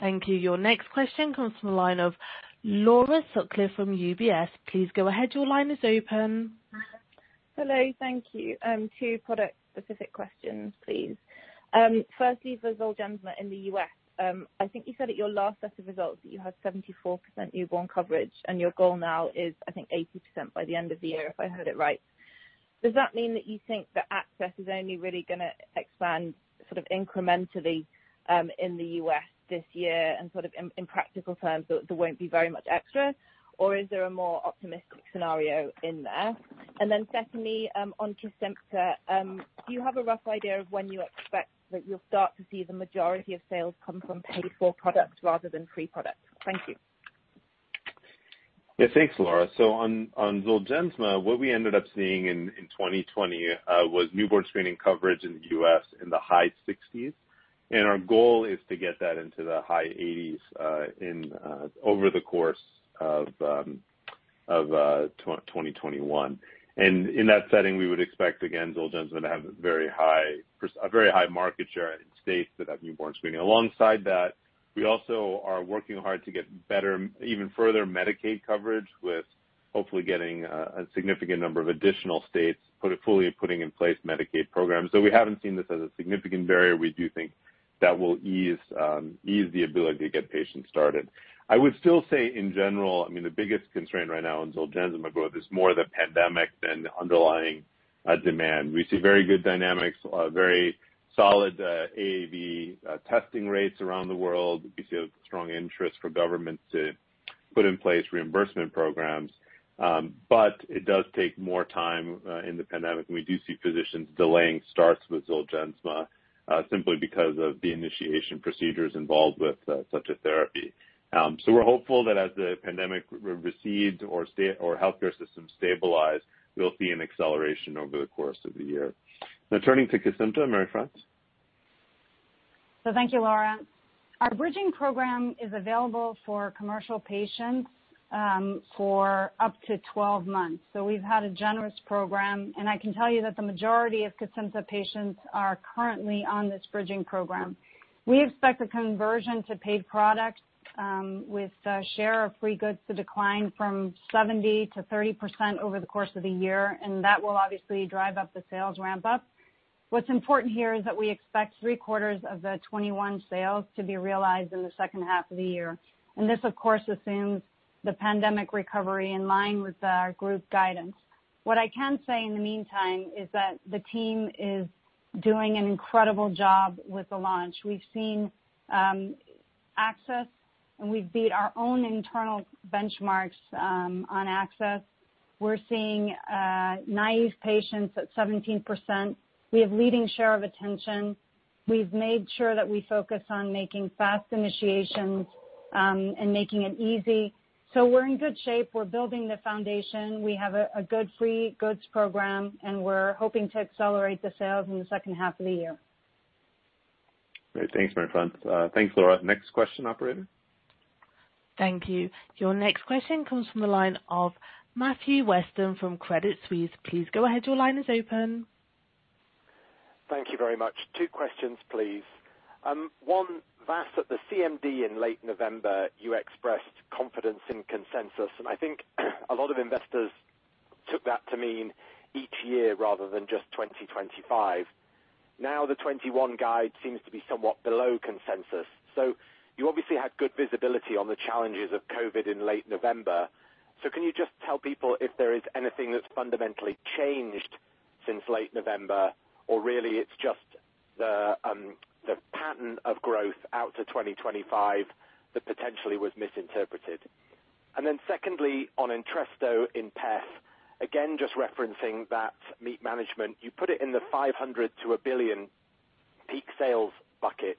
Thank you. Your next question comes from the line of Laura Sutcliffe from UBS. Please go ahead. Your line is open. Hello. Thank you. Two product-specific questions, please. Firstly, for Zolgensma in the U.S., I think you said at your last set of results that you had 74% newborn coverage and your goal now is, I think, 80% by the end of the year, if I heard it right. Does that mean that you think that access is only really going to expand sort of incrementally in the U.S. this year and sort of in practical terms, there won't be very much extra? Or is there a more optimistic scenario in there? Secondly, on Kisqali, do you have a rough idea of when you expect that you'll start to see the majority of sales come from paid-for products rather than free products? Thank you. Thanks, Laura. On Zolgensma, what we ended up seeing in 2020 was newborn screening coverage in the U.S. in the high 60s and our goal is to get that into the high 80s over the course of 2021. In that setting, we would expect, again, Zolgensma to have a very high market share in states that have newborn screening. Alongside that, we also are working hard to get even further Medicaid coverage with hopefully getting a significant number of additional states fully putting in place Medicaid programs. We haven't seen this as a significant barrier. We do think that will ease the ability to get patients started. I would still say in general, the biggest constraint right now in Zolgensma growth is more the pandemic than the underlying demand. We see very good dynamics, very solid AAV testing rates around the world. We see a strong interest for governments to put in place reimbursement programs. It does take more time in the pandemic and we do see physicians delaying starts with Zolgensma simply because of the initiation procedures involved with such a therapy. We're hopeful that as the pandemic recedes or healthcare systems stabilize, we'll see an acceleration over the course of the year. Turning to Kisqali, Marie-France? Thank you, Laura. Our bridging program is available for commercial patients for up to 12 months. We've had a generous program and I can tell you that the majority of Kisqali patients are currently on this bridging program. We expect the conversion to paid products with share of free goods to decline from 70% to 30% over the course of the year and that will obviously drive up the sales ramp up. What's important here is that we expect three-quarters of the 2021 sales to be realized in the second half of the year. This, of course, assumes the pandemic recovery in line with our group guidance. What I can say in the meantime is that the team is doing an incredible job with the launch. We've seen access, and we've beat our own internal benchmarks on access. We're seeing naive patients at 17%. We have leading share of attention. We've made sure that we focus on making fast initiations and making it easy. We're in good shape. We're building the foundation. We have a good free goods program, and we're hoping to accelerate the sales in the second half of the year. Great. Thanks, Marie-France. Thanks, Laura. Next question, operator. Thank you. Your next question comes from the line of Matthew Weston from Credit Suisse. Please go ahead. Your line is open. Thank you very much. Two questions, please. One, Vas, at the CMD in late November, you expressed confidence in consensus, and I think a lot of investors took that to mean each year rather than just 2025. The 2021 guide seems to be somewhat below consensus. You obviously had good visibility on the challenges of COVID in late November. Can you just tell people if there is anything that's fundamentally changed since late November or really it's just the pattern of growth out to 2025 that potentially was misinterpreted? Secondly, on Entresto in HFpEF, again, just referencing that meet management. You put it in the $500 million-$1 billion peak sales bucket.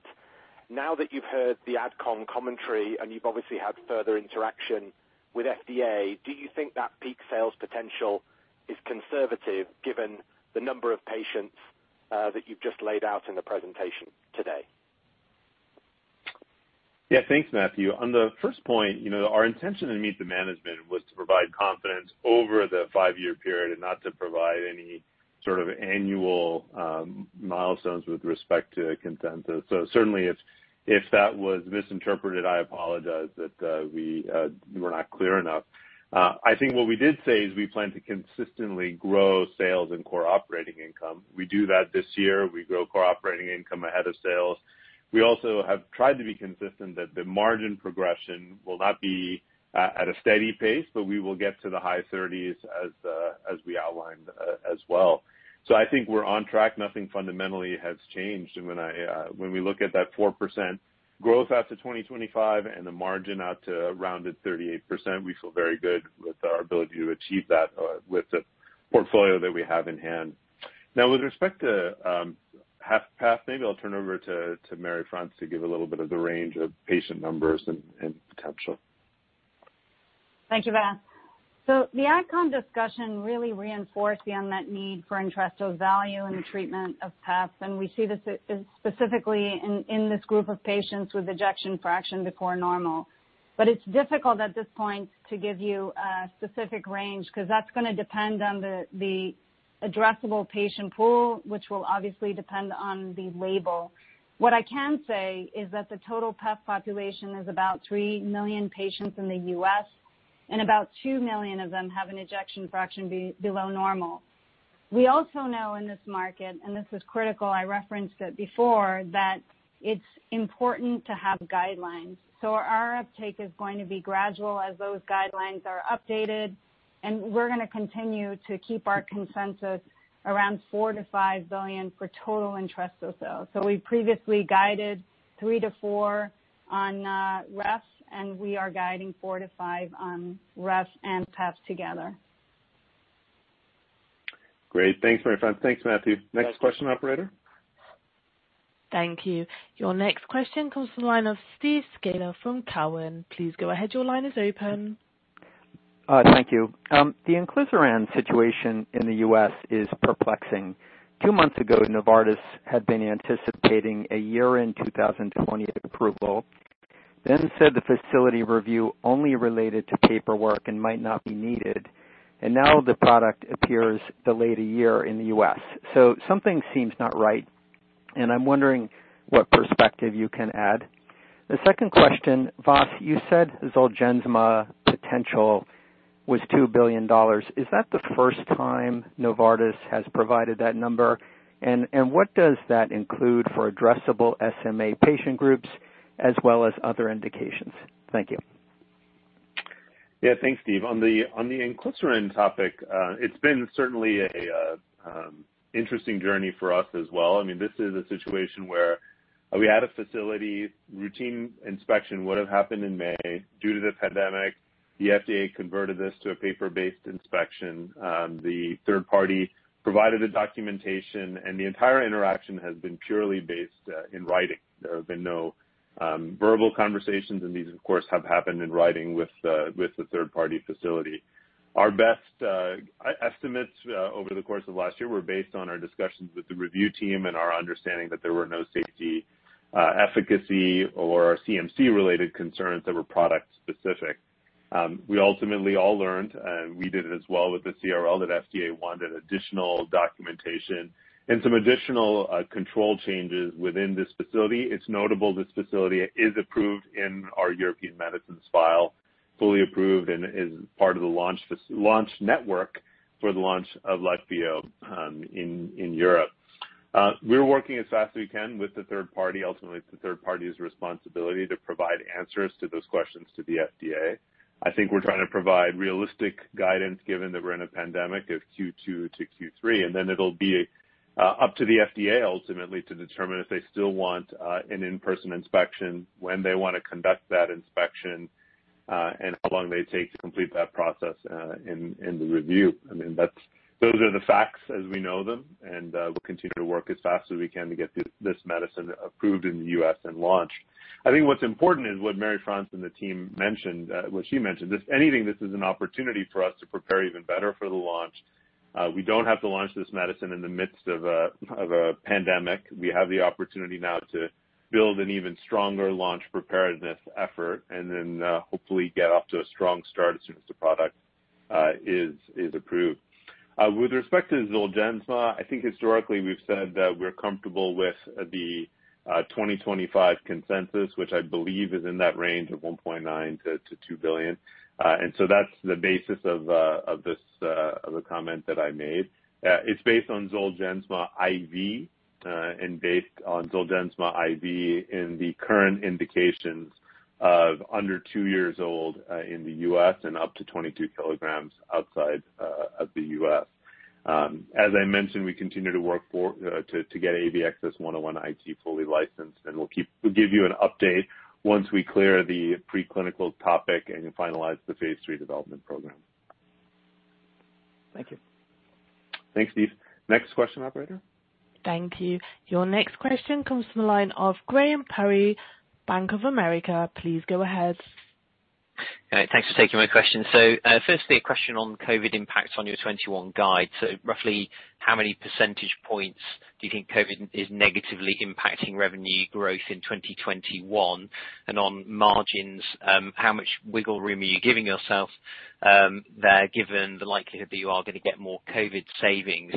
Now that you've heard the AdCom commentary and you've obviously had further interaction with FDA, do you think that peak sales potential is conservative given the number of patients that you've just laid out in the presentation today? Yeah. Thanks, Matthew. On the first point, our intention to meet the management was to provide confidence over the five-year period and not to provide any sort of annual milestones with respect to consensus. Certainly, if that was misinterpreted, I apologize that we were not clear enough. I think what we did say is we plan to consistently grow sales and core operating income. We do that this year. We grow core operating income ahead of sales. We also have tried to be consistent that the margin progression will not be at a steady pace, but we will get to the high 30s as we outlined as well. I think we're on track. Nothing fundamentally has changed. When we look at that 4% growth out to 2025 and the margin out to a rounded 38%, we feel very good with our ability to achieve that with the portfolio that we have in hand. Now, with respect to HFpEF, maybe I'll turn over to Marie-France to give a little bit of the range of patient numbers and potential. Thank you, Vas. The AdCom discussion really reinforced the unmet need for Entresto's value in the treatment of HFpEF, and we see this specifically in this group of patients with ejection fraction to core normal. It's difficult at this point to give you a specific range because that's going to depend on the addressable patient pool, which will obviously depend on the label. What I can say is that the total HFpEF population is about 3 million patients in the U.S., and about 2 million of them have an ejection fraction below normal. We also know in this market, and this is critical, I referenced it before, that it's important to have guidelines. Our uptake is going to be gradual as those guidelines are updated, and we're going to continue to keep our consensus around $4 billion-$5 billion for total Entresto sales. We previously guided three to four on HFrEF, and we are guiding four to five on HFrEF and HFpEF together. Great. Thanks, Marie-France. Thanks, Matthew. Next question, operator. Thank you. Your next question comes from the line of Steve Scala from Cowen. Please go ahead. Your line is open. Thank you. The inclisiran situation in the U.S. is perplexing. Two months ago, Novartis had been anticipating a year-end 2020 approval, then said the facility review only related to paperwork and might not be needed. Now the product appears delayed a year in the U.S. Something seems not right, and I'm wondering what perspective you can add. The second question, Vas, you said Zolgensma potential was $2 billion. Is that the first time Novartis has provided that number? What does that include for addressable SMA patient groups as well as other indications? Thank you. Thanks, Steve. On the inclisiran topic, it's been certainly an interesting journey for us as well. This is a situation where we had a facility routine inspection would have happened in May. Due to the pandemic, the FDA converted this to a paper-based inspection. The third party provided the documentation, the entire interaction has been purely based in writing. There have been no verbal conversations, these, of course, have happened in writing with the third-party facility. Our best estimates over the course of last year were based on our discussions with the review team and our understanding that there were no safety, efficacy, or CMC-related concerns that were product-specific. We ultimately all learned, we did it as well with the CRL, that FDA wanted additional documentation and some additional control changes within this facility. It's notable this facility is approved in our European Medicines Agency fully approved and is part of the launch network for the launch of Leqvio in Europe. We're working as fast as we can with the third party. Ultimately, it's the third party's responsibility to provide answers to those questions to the FDA. I think we're trying to provide realistic guidance, given that we're in a pandemic, of Q2 to Q3, and then it'll be up to the FDA ultimately to determine if they still want an in-person inspection, when they want to conduct that inspection, and how long they take to complete that process in the review. Those are the facts as we know them, and we'll continue to work as fast as we can to get this medicine approved in the U.S. and launched. I think what's important is what Marie-France and the team mentioned, what she mentioned. If anything, this is an opportunity for us to prepare even better for the launch. We don't have to launch this medicine in the midst of a pandemic. We have the opportunity now to build an even stronger launch preparedness effort and then hopefully get off to a strong start as soon as the product is approved. With respect to Zolgensma, I think historically we've said that we're comfortable with the 2025 consensus, which I believe is in that range of 1.9 billion-2 billion. That's the basis of the comment that I made. It's based on Zolgensma IV and based on Zolgensma IV in the current indications of under two years old in the U.S. and up to 22 kg outside of the U.S. As I mentioned, we continue to work to get AVXS-101 IT fully licensed, and we'll give you an update once we clear the pre-clinical topic and finalize the phase III development program. Thank you. Thanks, Steve. Next question, operator. Thank you. Your next question comes from the line of Graham Parry, Bank of America. Please go ahead. Thanks for taking my question. Firstly, a question on COVID impact on your 2021 guide. Roughly how many percentage points do you think COVID is negatively impacting revenue growth in 2021? On margins, how much wiggle room are you giving yourself there, given the likelihood that you are going to get more COVID savings?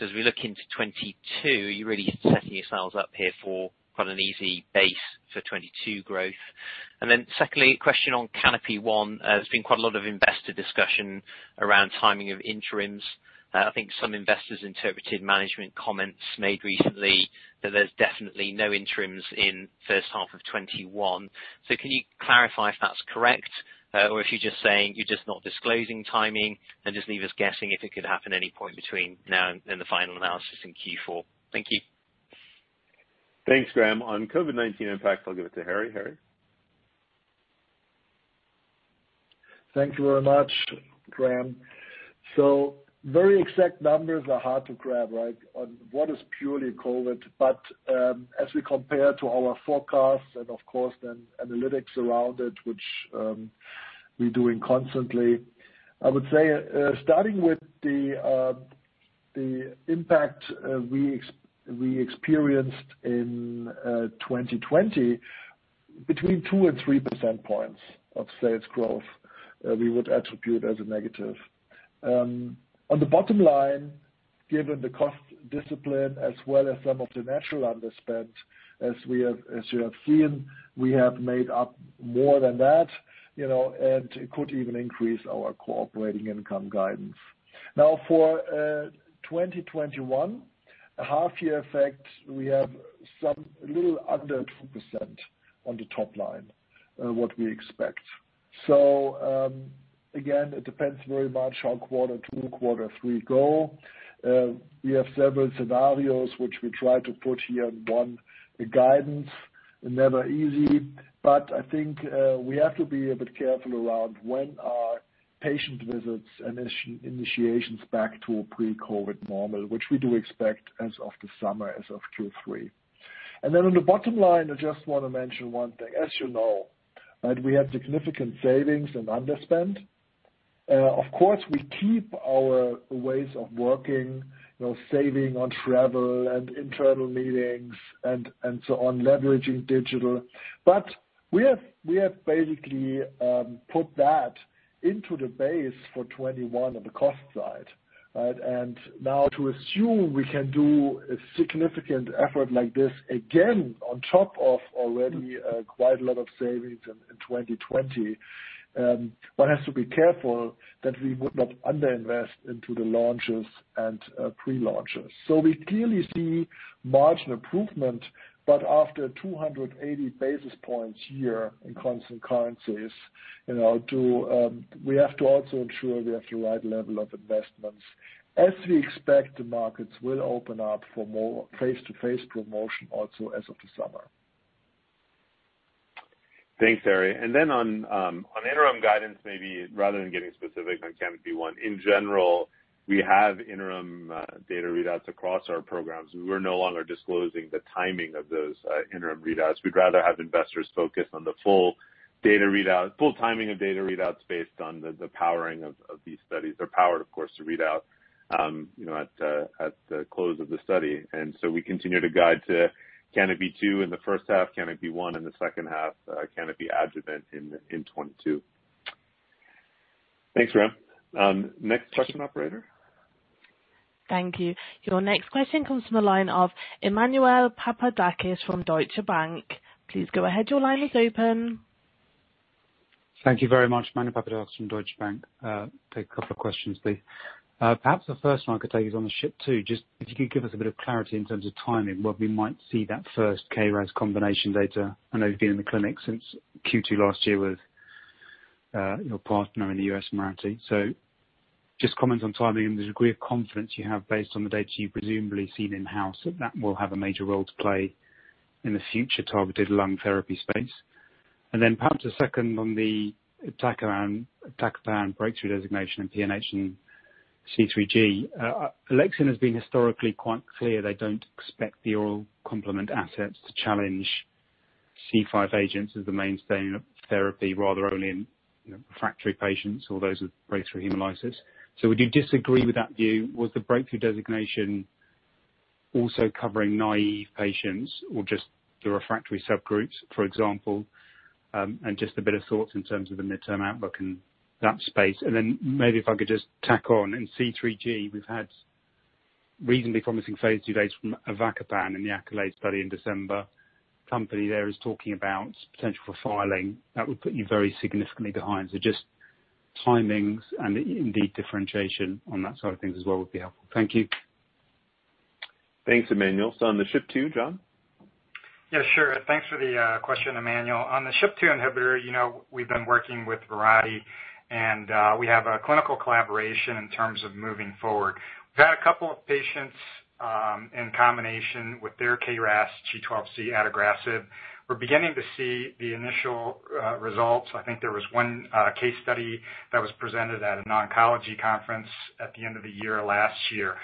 As we look into 2022, you're really setting yourselves up here for quite an easy base for 2022 growth. Secondly, a question on CANOPY-1. There's been quite a lot of investor discussion around timing of interims. I think some investors interpreted management comments made recently that there's definitely no interims in first half of 2021. Can you clarify if that's correct or if you're just saying you're just not disclosing timing and just leave us guessing if it could happen any point between now and the final analysis in Q4? Thank you. Thanks, Graham. On COVID-19 impacts, I'll give it to Harry. Harry? Thank you very much, Graham. Very exact numbers are hard to grab, right? On what is purely COVID. As we compare to our forecasts and of course then analytics around it, which we're doing constantly, I would say starting with the impact we experienced in 2020, between 2 percent point and 3 percent points of sales growth we would attribute as a negative. On the bottom line, given the cost discipline as well as some of the natural underspend as you have seen, we have made up more than that and could even increase our operating income guidance. For 2021, a half year effect, we have some little under 2% on the top line what we expect. Again, it depends very much on quarter two, quarter three go. We have several scenarios which we try to put here in one guidance. Never easy. I think we have to be a bit careful around when our patient visits initiations back to a pre-COVID normal, which we do expect as of the summer, as of Q3. On the bottom line, I just want to mention one thing. As you know, we have significant savings and underspend. Of course, we keep our ways of working, saving on travel and internal meetings and so on, leveraging digital. We have basically put that into the base for 2021 on the cost side. Now to assume we can do a significant effort like this again on top of already quite a lot of savings in 2020, one has to be careful that we would not under invest into the launches and pre-launches. We clearly see margin improvement. After 280 basis points here in constant currencies, we have to also ensure we have the right level of investments as we expect the markets will open up for more face-to-face promotion also as of the summer. Thanks, Harry. Then on interim guidance, maybe rather than getting specific on CANOPY-1 in general, we have interim data readouts across our programs. We're no longer disclosing the timing of those interim readouts. We'd rather have investors focus on the full timing of data readouts based on the powering of these studies. They're powered, of course, to read out at the close of the study. So we continue to guide to CANOPY-2 in the first half, CANOPY-1 in the second half, CANOPY-A in 2022. Thanks, Graham. Next question, operator. Thank you. Your next question comes from the line of Emmanuel Papadakis from Deutsche Bank. Please go ahead. Your line is open. Thank you very much. Emmanuel Papadakis from Deutsche Bank. A couple of questions, please. Perhaps the first one I could take is on the SHP2. Just if you could give us a bit of clarity in terms of timing, when we might see that first KRAS combination data. I know you've been in the clinic since Q2 last year with your partner in the U.S., Mirati. Just comment on timing and the degree of confidence you have based on the data you've presumably seen in-house, that that will have a major role to play in the future targeted lung therapy space. Then perhaps a second on the iptacopan breakthrough designation in PNH and C3G. Alexion has been historically quite clear they don't expect the oral complement assets to challenge C5 agents as the mainstay of therapy, rather only in refractory patients or those with breakthrough hemolysis. Would you disagree with that view? Was the breakthrough designation also covering naive patients or just the refractory subgroups, for example? Just a bit of thoughts in terms of the midterm outlook in that space. Maybe if I could just tack on, in C3G, we've had reasonably promising phase II data from avacopan in the ACCOLADE study in December. Company there is talking about potential for filing. That would put you very significantly behind. Just timings and indeed differentiation on that sort of thing as well would be helpful. Thank you. Thanks, Emmanuel. On the SHP2, John? Yeah, sure. Thanks for the question, Emmanuel. On the SHP2 inhibitor, we've been working with Mirati, we have a clinical collaboration in terms of moving forward. We've had a couple of patients in combination with their KRAS G12C adagrasib. We're beginning to see the initial results. I think there was one case study that was presented at a non-oncology conference at the end of the year last year.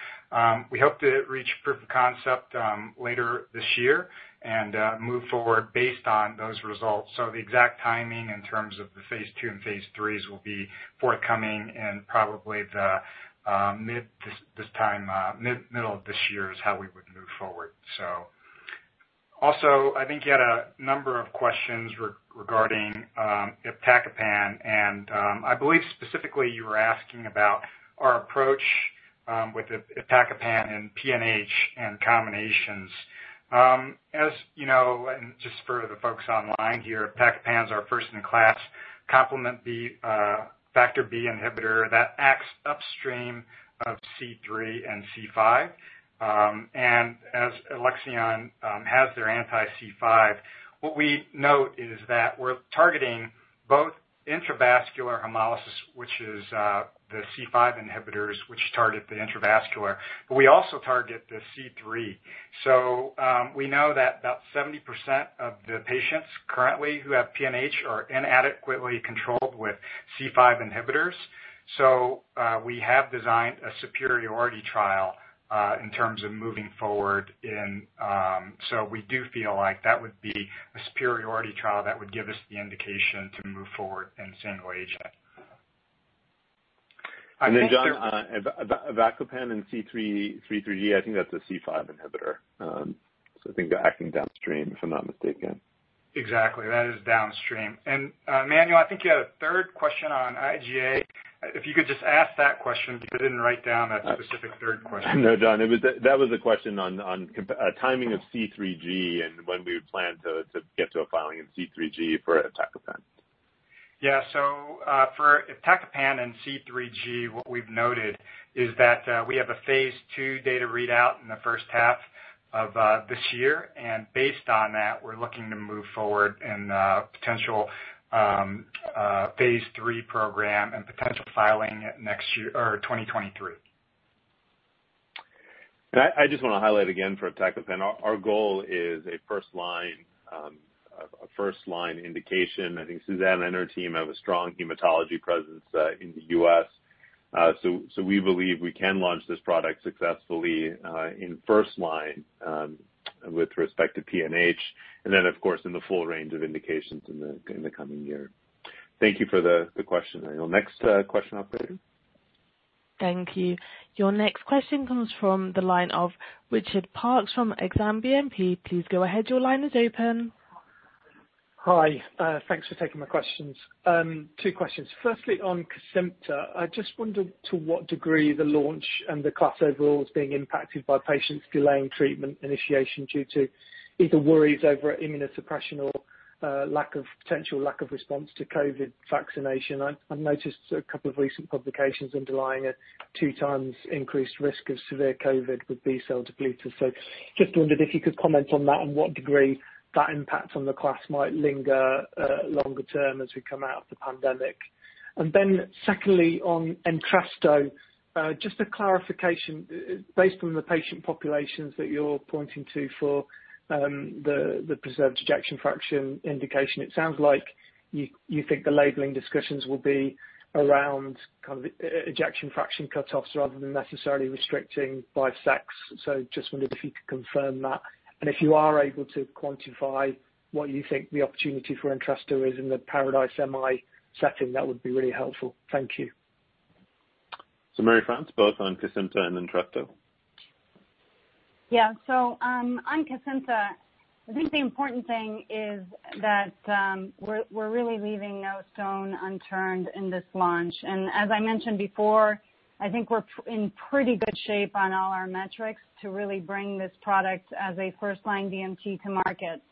We hope to reach proof of concept later this year and move forward based on those results. The exact timing in terms of the phase II and phase III will be forthcoming in probably the middle of this year is how we would move forward. Also, I think you had a number of questions regarding iptacopan, and I believe specifically you were asking about our approach with iptacopan and PNH and combinations. As you know, just for the folks online here, iptacopan's our first-in-class complement factor B inhibitor that acts upstream of C3 and C5. As Alexion has their anti-C5, what we note is that we're targeting both intravascular hemolysis, which is the C5 inhibitors, which target the intravascular, but we also target the C3. We know that about 70% of the patients currently who have PNH are inadequately controlled with C5 inhibitors. We have designed a superiority trial in terms of moving forward. We do feel like that would be a superiority trial that would give us the indication to move forward in indication. John, avacopan and C3G, I think that's a C5 inhibitor. I think they're acting downstream, if I'm not mistaken. Exactly. That is downstream. Emmanuel, I think you had a third question on IgA. If you could just ask that question, because I didn't write down that specific third question. No, John, that was a question on timing of C3G and when we plan to get to a filing in C3G for iptacopan. For iptacopan and C3G, what we've noted is that we have a phase II data readout in the first half of this year. Based on that, we're looking to move forward in a potential phase III program and potential filing next year or 2023. I just want to highlight again for iptacopan, our goal is a first-line indication. I think Susanne and her team have a strong hematology presence in the U.S. We believe we can launch this product successfully in first-line with respect to PNH, and then, of course, in the full range of indications in the coming year. Thank you for the question. Next question operator. Thank you. Your next question comes from the line of Richard Parkes from Exane BNP Paribas. Please go ahead. Your line is open. Hi. Thanks for taking my questions. Two questions. Firstly, on Kesimpta, I just wondered to what degree the launch and the class overall is being impacted by patients delaying treatment initiation due to either worries over immunosuppression or potential lack of response to COVID vaccination. I noticed a couple of recent publications underlying a 2x increased risk of severe COVID with B-cell depleters. Just wondered if you could comment on that and what degree that impact on the class might linger longer term as we come out of the pandemic. Secondly, on Entresto, just a clarification. Based on the patient populations that you're pointing to for the preserved ejection fraction indication, it sounds like you think the labeling discussions will be around ejection fraction cutoffs rather than necessarily restricting by sex. Just wondered if you could confirm that, and if you are able to quantify what you think the opportunity for Entresto is in the PARADISE-MI setting, that would be really helpful. Thank you. Marie-France, both on Kesimpta and Entresto. On Kesimpta, I think the important thing is that we're really leaving no stone unturned in this launch. As I mentioned before, I think we're in pretty good shape on all our metrics to really bring this product as a first-line DMT to market.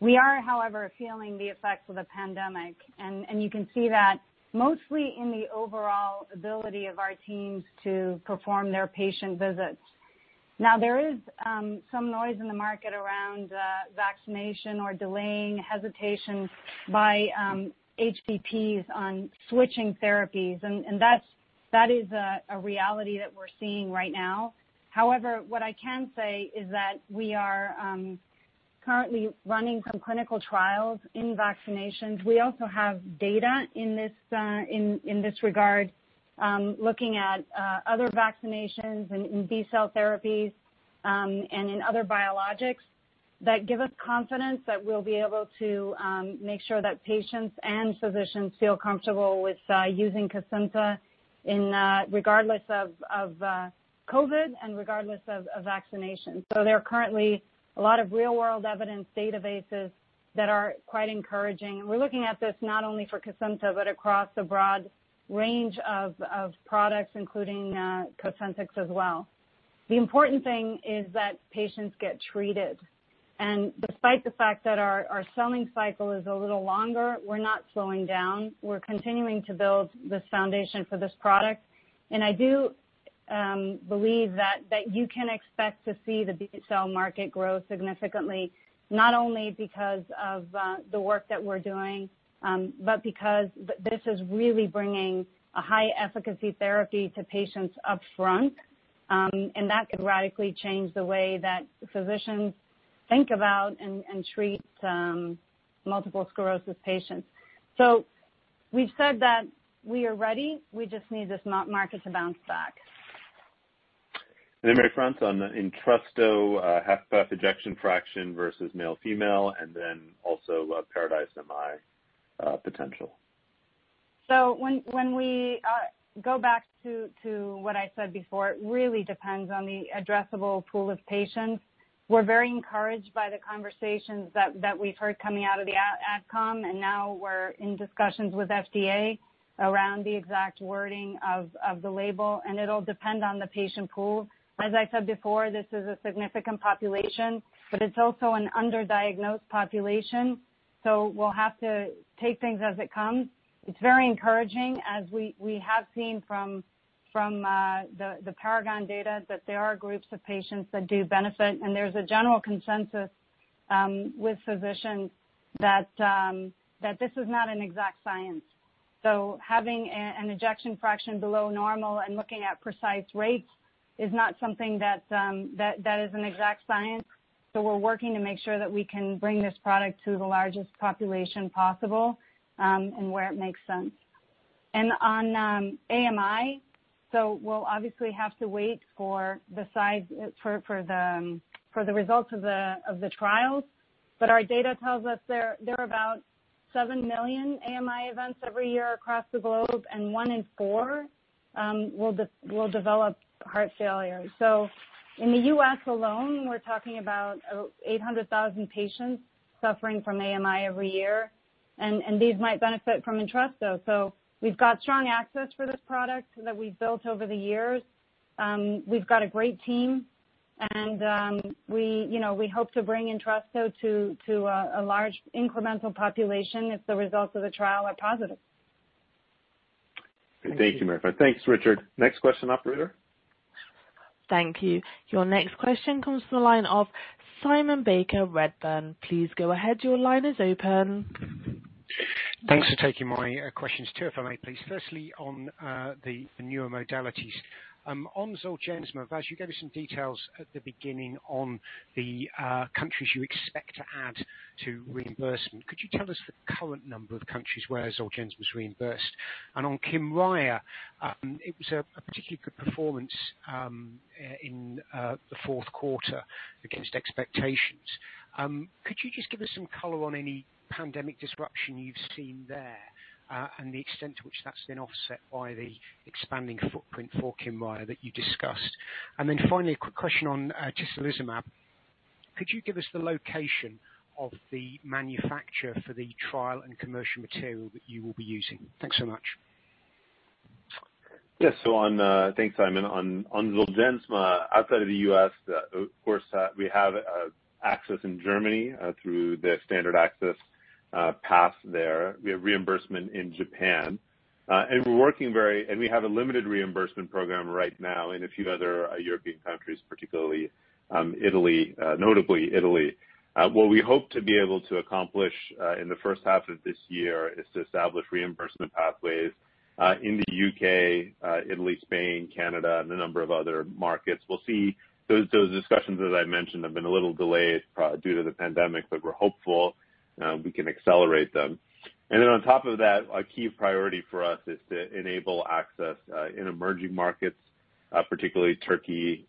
We are, however, feeling the effects of the pandemic. You can see that mostly in the overall ability of our teams to perform their patient visits. There is some noise in the market around vaccination or delaying hesitation by HCPs on switching therapies, and that is a reality that we're seeing right now. What I can say is that we are currently running some clinical trials in vaccinations. We also have data in this regard, looking at other vaccinations in B-cell therapies, and in other biologics that give us confidence that we'll be able to make sure that patients and physicians feel comfortable with using Kesimpta regardless of COVID and regardless of vaccination. There are currently a lot of real-world evidence databases that are quite encouraging. We're looking at this not only for Kesimpta, but across a broad range of products, including Cosentyx as well. The important thing is that patients get treated. Despite the fact that our selling cycle is a little longer, we're not slowing down. We're continuing to build this foundation for this product. I do believe that you can expect to see the B-cell market grow significantly, not only because of the work that we're doing, but because this is really bringing a high-efficacy therapy to patients up front. That could radically change the way that physicians think about and treat multiple sclerosis patients. We've said that we are ready. We just need this market to bounce back. Marie-France on Entresto, HFpEF versus male/female, and then also PARADISE-MI potential. When we go back to what I said before, it really depends on the addressable pool of patients. We're very encouraged by the conversations that we've heard coming out of the ACC, and now we're in discussions with FDA around the exact wording of the label, and it'll depend on the patient pool. As I said before, this is a significant population, but it's also an underdiagnosed population. We'll have to take things as it comes. It's very encouraging as we have seen from the PARAGON-HF data that there are groups of patients that do benefit, and there's a general consensus with physicians that this is not an exact science. Having an ejection fraction below normal and looking at precise rates is not something that is an exact science. We're working to make sure that we can bring this product to the largest population possible, and where it makes sense. On AMI, we'll obviously have to wait for the results of the trials. Our data tells us there are about 7 million AMI events every year across the globe, and one in four will develop heart failure. In the U.S. alone, we're talking about 800,000 patients suffering from AMI every year, and these might benefit from Entresto. We've got strong access for this product that we've built over the years. We've got a great team, and we hope to bring Entresto to a large incremental population if the results of the trial are positive. Thank you, Marie-France. Thanks, Richard. Next question, operator. Thank you. Your next question comes from the line of Simon Baker, Redburn. Please go ahead. Your line is open. Thanks for taking my questions. Two, if I may, please. Firstly, on the newer modalities. On Zolgensma, Vas, you gave us some details at the beginning on the countries you expect to add to reimbursement. Could you tell us the current number of countries where Zolgensma is reimbursed? On Kymriah, it was a particularly good performance in the fourth quarter against expectations. Could you just give us some color on any pandemic disruption you've seen there, and the extent to which that's been offset by the expanding footprint for Kymriah that you discussed? Finally, a quick question on tislelizumab. Could you give us the location of the manufacture for the trial and commercial material that you will be using? Thanks so much. Yes. Thanks, Simon. On Zolgensma, outside of the U.S., of course, we have access in Germany through the standard access path there. We have reimbursement in Japan. We have a limited reimbursement program right now in a few other European countries, particularly Italy, notably Italy. What we hope to be able to accomplish in the first half of this year is to establish reimbursement pathways in the U.K., Italy, Spain, Canada, and a number of other markets. We'll see. Those discussions, as I mentioned, have been a little delayed due to the pandemic, but we're hopeful we can accelerate them. On top of that, a key priority for us is to enable access in emerging markets particularly Turkey,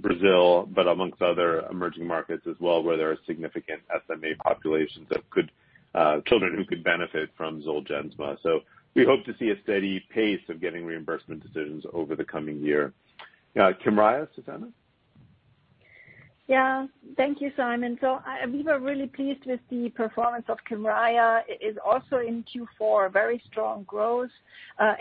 Brazil, but amongst other emerging markets as well, where there are significant SMA populations of children who could benefit from Zolgensma. We hope to see a steady pace of getting reimbursement decisions over the coming year. Kymriah, Susanne? Yeah. Thank you, Simon. We were really pleased with the performance of Kymriah. It is also in Q4, very strong growth.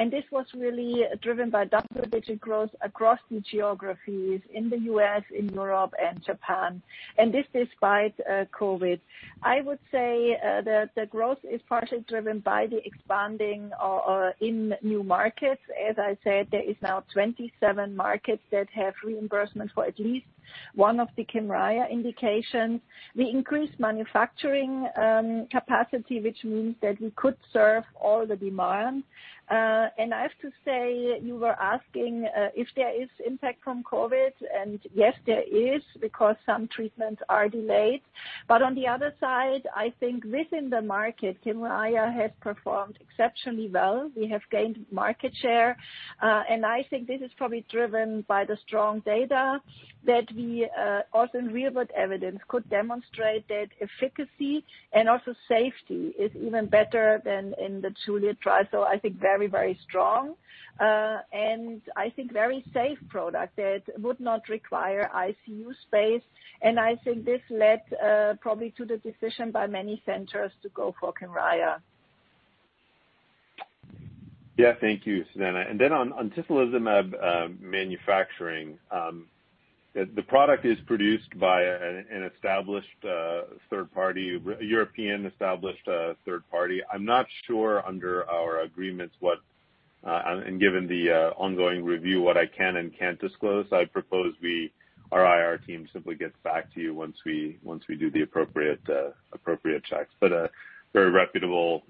This was really driven by double-digit growth across the geographies in the U.S., in Europe and Japan. This despite COVID. I would say that the growth is partially driven by the expanding or in new markets. As I said, there is now 27 markets that have reimbursement for at least one of the Kymriah indications. We increased manufacturing capacity, which means that we could serve all the demand. I have to say, you were asking if there is impact from COVID, and yes, there is, because some treatments are delayed. On the other side, I think within the market, Kymriah has performed exceptionally well. We have gained market share. I think this is probably driven by the strong data that we, also in real world evidence, could demonstrate that efficacy and also safety is even better than in the JULIET trial. I think very strong. I think very safe product that would not require ICU space. I think this led probably to the decision by many centers to go for Kymriah. Yeah. Thank you, Susanne. On tislelizumab manufacturing. The product is produced by an established third party, a European-established third party. I'm not sure, under our agreements, and given the ongoing review, what I can and can't disclose. I propose our IR team simply gets back to you once we do the appropriate checks. A very reputable,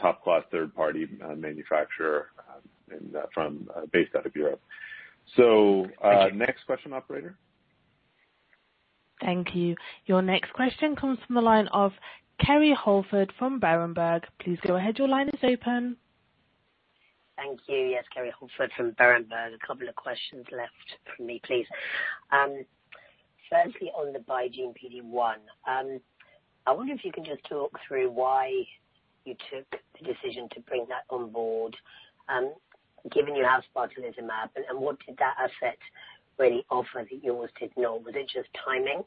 top-class third-party manufacturer based out of Europe. Thank you. Next question, operator. Thank you. Your next question comes from the line of Kerry Holford from Berenberg. Please go ahead. Thank you. Yes, Kerry Holford from Berenberg. A couple of questions left from me, please. Firstly, on the BeiGene PD-1, I wonder if you can just talk through why you took the decision to bring that on board, given you have spartalizumab, what did that asset really offer that yours did not? Was it just timing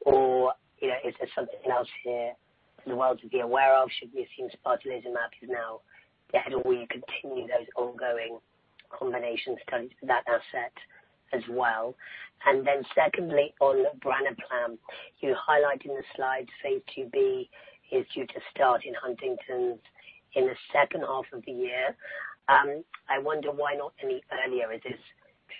or is there something else here for the world to be aware of should we have seen spartalizumab is now ahead, will you continue those ongoing combinations to that asset as well? Secondly, on branaplam, you highlight in the slides phase IIB is due to start in Huntington's in the second half of the year. I wonder why not any earlier. Is this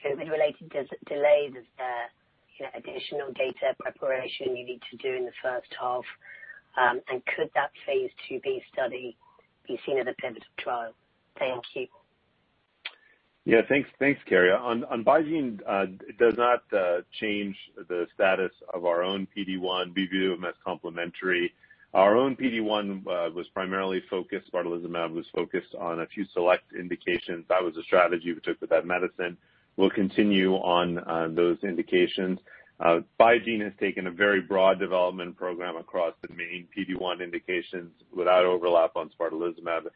COVID-related delays? Is there additional data preparation you need to do in the first half? Could that phase IIB study be seen as a pivotal trial? Thank you. Yeah. Thanks, Kerry. On BeiGene, it does not change the status of our own PD-1. We view them as complementary. Our own PD-1 was primarily focused, spartalizumab was focused on a few select indications. That was the strategy we took with that medicine. We'll continue on those indications. BeiGene has taken a very broad development program across the main PD-1 indications without overlap on spartalizumab.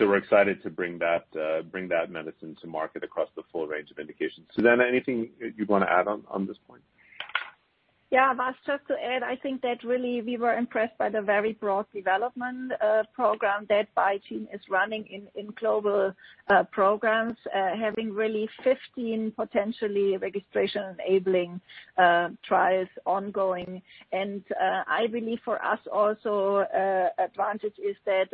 We're excited to bring that medicine to market across the full range of indications. Susanne, anything you'd want to add on this point? Yeah. Just to add, I think that really we were impressed by the very broad development program that BeiGene is running in global programs, having really 15 potentially registration-enabling trials ongoing. I believe for us also, advantage is that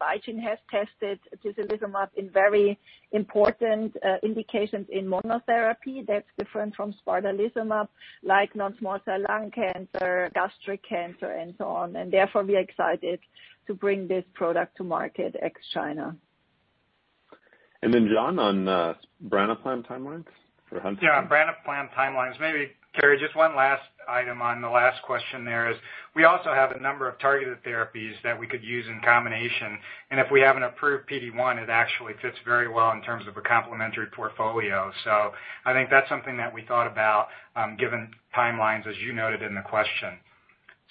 BeiGene has tested tislelizumab in very important indications in monotherapy that's different from spartalizumab, like non-small cell lung cancer, gastric cancer, and so on. Therefore, we are excited to bring this product to market ex-China. Then John, on branaplam timelines for Huntington's? Yeah. Branaplam timelines. Maybe Kerry, just one last item on the last question there is, we also have a number of targeted therapies that we could use in combination, and if we have an approved PD-1, it actually fits very well in terms of a complementary portfolio. I think that's something that we thought about, given timelines, as you noted in the question.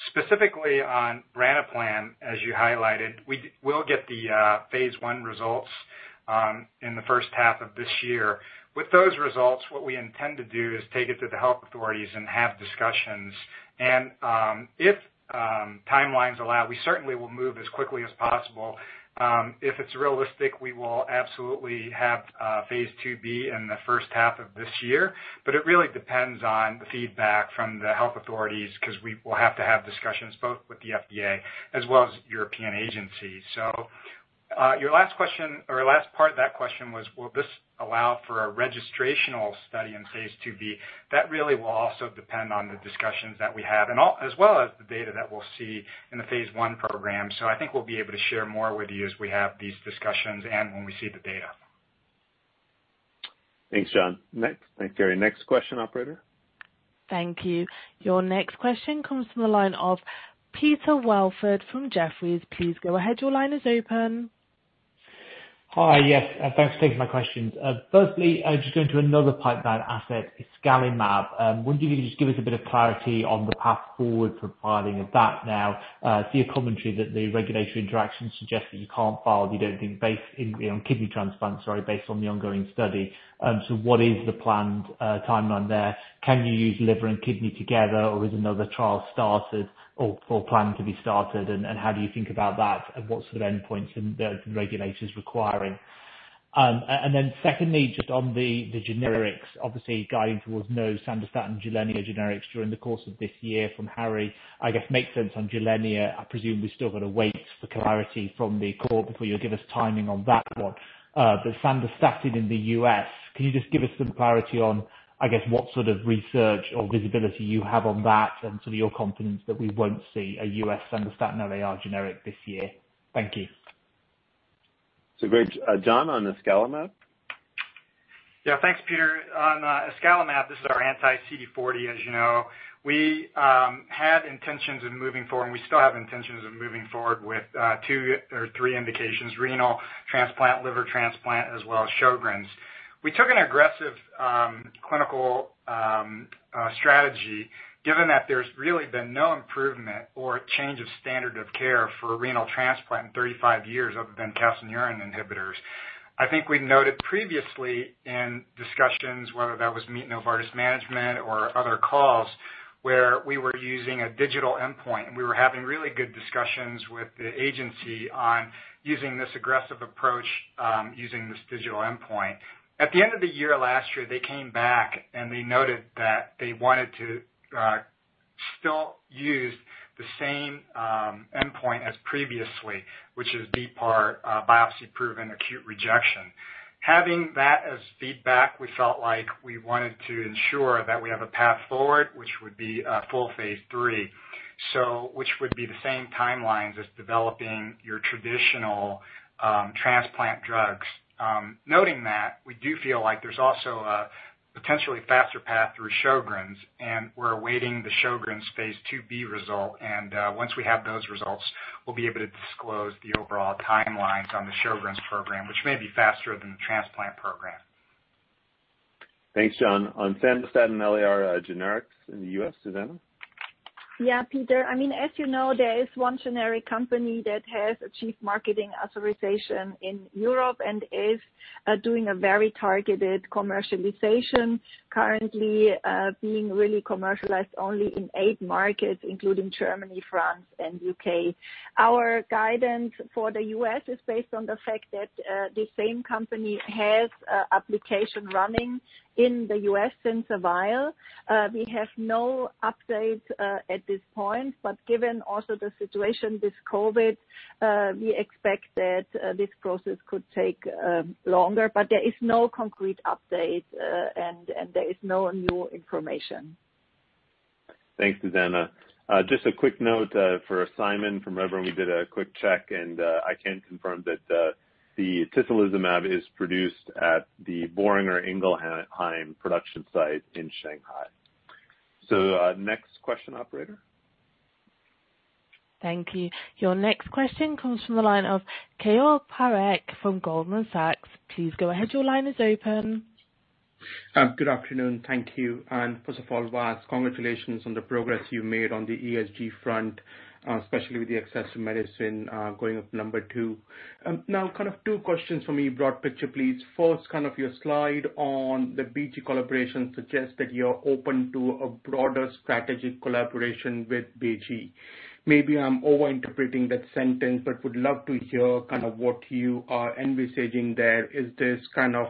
Specifically on branaplam, as you highlighted, we'll get the phase I results in the first half of this year. With those results, what we intend to do is take it to the health authorities and have discussions. If timelines allow, we certainly will move as quickly as possible. If it's realistic, we will absolutely have phase IIB in the first half of this year, but it really depends on the feedback from the health authorities, because we will have to have discussions both with the FDA as well as European agencies. Your last question or last part of that question was, will this allow for a registrational study in phase IIB? That really will also depend on the discussions that we have as well as the data that we'll see in the phase I program. I think we'll be able to share more with you as we have these discussions and when we see the data. Thanks, John. Thanks, Kerry. Next question, operator. Thank you. Your next question comes from the line of Peter Welford from Jefferies. Please go ahead. Your line is open. Hi. Yes. Thanks for taking my questions. Going to another pipeline asset, iscalimab. Wondering if you could give us a bit of clarity on the path forward for filing of that now. I see a commentary that the regulatory interactions suggest that you can't file. You don't think based on kidney transplants or based on the ongoing study. What is the planned timeline there? Can you use liver and kidney together or is another trial started or planned to be started, how do you think about that, what sort of endpoints are the regulators requiring? Then secondly, on the generics, obviously guiding towards no Sandostatin Gilenya generics during the course of this year from Harry, I guess, makes sense on Gilenya. I presume we've still got to wait for clarity from the court before you'll give us timing on that one. Sandostatin in the U.S., can you just give us some clarity on, I guess, what sort of research or visibility you have on that and sort of your confidence that we won't see a U.S. Sandostatin LAR generic this year? Thank you. Great. John, on the iscalimab. Yeah, thanks, Peter. On iscalimab, this is our anti-CD40, as you know. We had intentions of moving forward, and we still have intentions of moving forward with two or three indications, renal transplant, liver transplant, as well as Sjögren's. We took an aggressive clinical strategy given that there's really been no improvement or change of standard of care for renal transplant in 35 years other than calcineurin inhibitors. I think we noted previously in discussions, whether that was meeting Novartis management or other calls, where we were using a digital endpoint, and we were having really good discussions with the agency on using this aggressive approach, using this digital endpoint. At the end of the year last year, they came back, and they noted that they wanted to still use the same endpoint as previously, which is BPAR, Biopsy-Proven Acute Rejection. Having that as feedback, we felt like we wanted to ensure that we have a path forward, which would be a full phase III, which would be the same timelines as developing your traditional transplant drugs. Noting that, we do feel like there's also a potentially faster path through Sjögren's, and we're awaiting the Sjögren's phase IIB result. Once we have those results, we'll be able to disclose the overall timelines on the Sjögren's program, which may be faster than the transplant program. Thanks, John. On Sandostatin LAR generics in the U.S., Susanne? Yeah, Peter. As you know, there is one generic company that has achieved marketing authorization in Europe and is doing a very targeted commercialization currently, being really commercialized only in eight markets, including Germany, France, and U.K. Our guidance for the U.S. is based on the fact that the same company has application running in the U.S. since a while. We have no update at this point, given also the situation with COVID, we expect that this process could take longer. There is no concrete update, and there is no new information. Thanks, Susanne. Just a quick note for Simon from Redburn. We did a quick check, and I can confirm that the tislelizumab is produced at the Boehringer Ingelheim production site in Shanghai. Next question, operator. Thank you. Your next question comes from the line of Keyur Parekh from Goldman Sachs. Please go ahead. Your line is open. Good afternoon. Thank you. First of all, Vas, congratulations on the progress you made on the ESG front, especially with the access to medicine going up number two. Kind of two questions for me, broad picture, please. First, kind of your slide on the BeiGene collaboration suggests that you're open to a broader strategic collaboration with BeiGene. Maybe I'm over-interpreting that sentence, would love to hear kind of what you are envisaging there. Is this kind of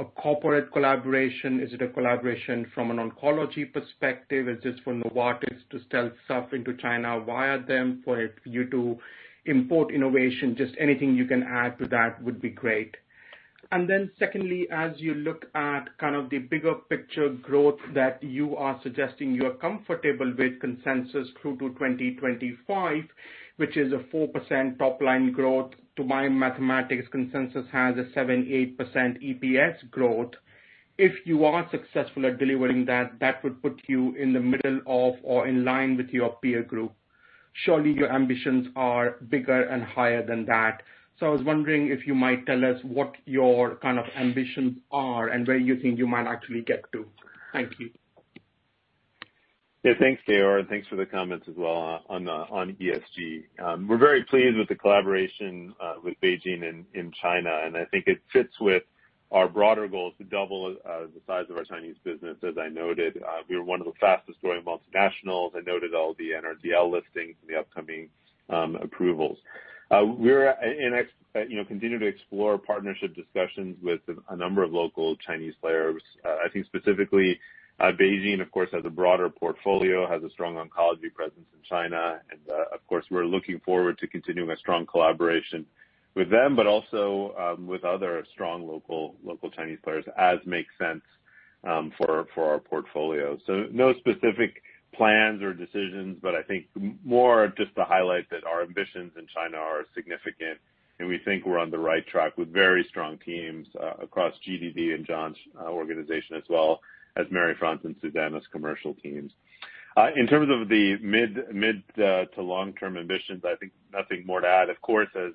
a corporate collaboration? Is it a collaboration from an oncology perspective? Is this for Novartis to stealth into China via them for you to import innovation? Just anything you can add to that would be great. Then secondly, as you look at kind of the bigger picture growth that you are suggesting you are comfortable with consensus through to 2025, which is a 4% top-line growth. To my mathematics, consensus has a 7%-8% EPS growth. If you are successful at delivering that would put you in the middle of or in line with your peer group. Surely your ambitions are bigger and higher than that. I was wondering if you might tell us what your kind of ambitions are and where you think you might actually get to. Thank you. Yeah. Thanks, Keyur, and thanks for the comments as well on ESG. We're very pleased with the collaboration with BeiGene in China, and I think it fits with our broader goals to double the size of our Chinese business as I noted. We are one of the fastest-growing multinationals. I noted all the NRDL listings and the upcoming approvals. We continue to explore partnership discussions with a number of local Chinese players. I think specifically, BeiGene, of course, has a broader portfolio, has a strong oncology presence in China. Of course, we're looking forward to continuing a strong collaboration with them, but also with other strong local Chinese players as makes sense for our portfolio. No specific plans or decisions, but I think more just to highlight that our ambitions in China are significant, and we think we're on the right track with very strong teams across GDD and John's organization, as well as Marie-France and Susanne's commercial teams. In terms of the mid to long-term ambitions, I think nothing more to add. Of course, as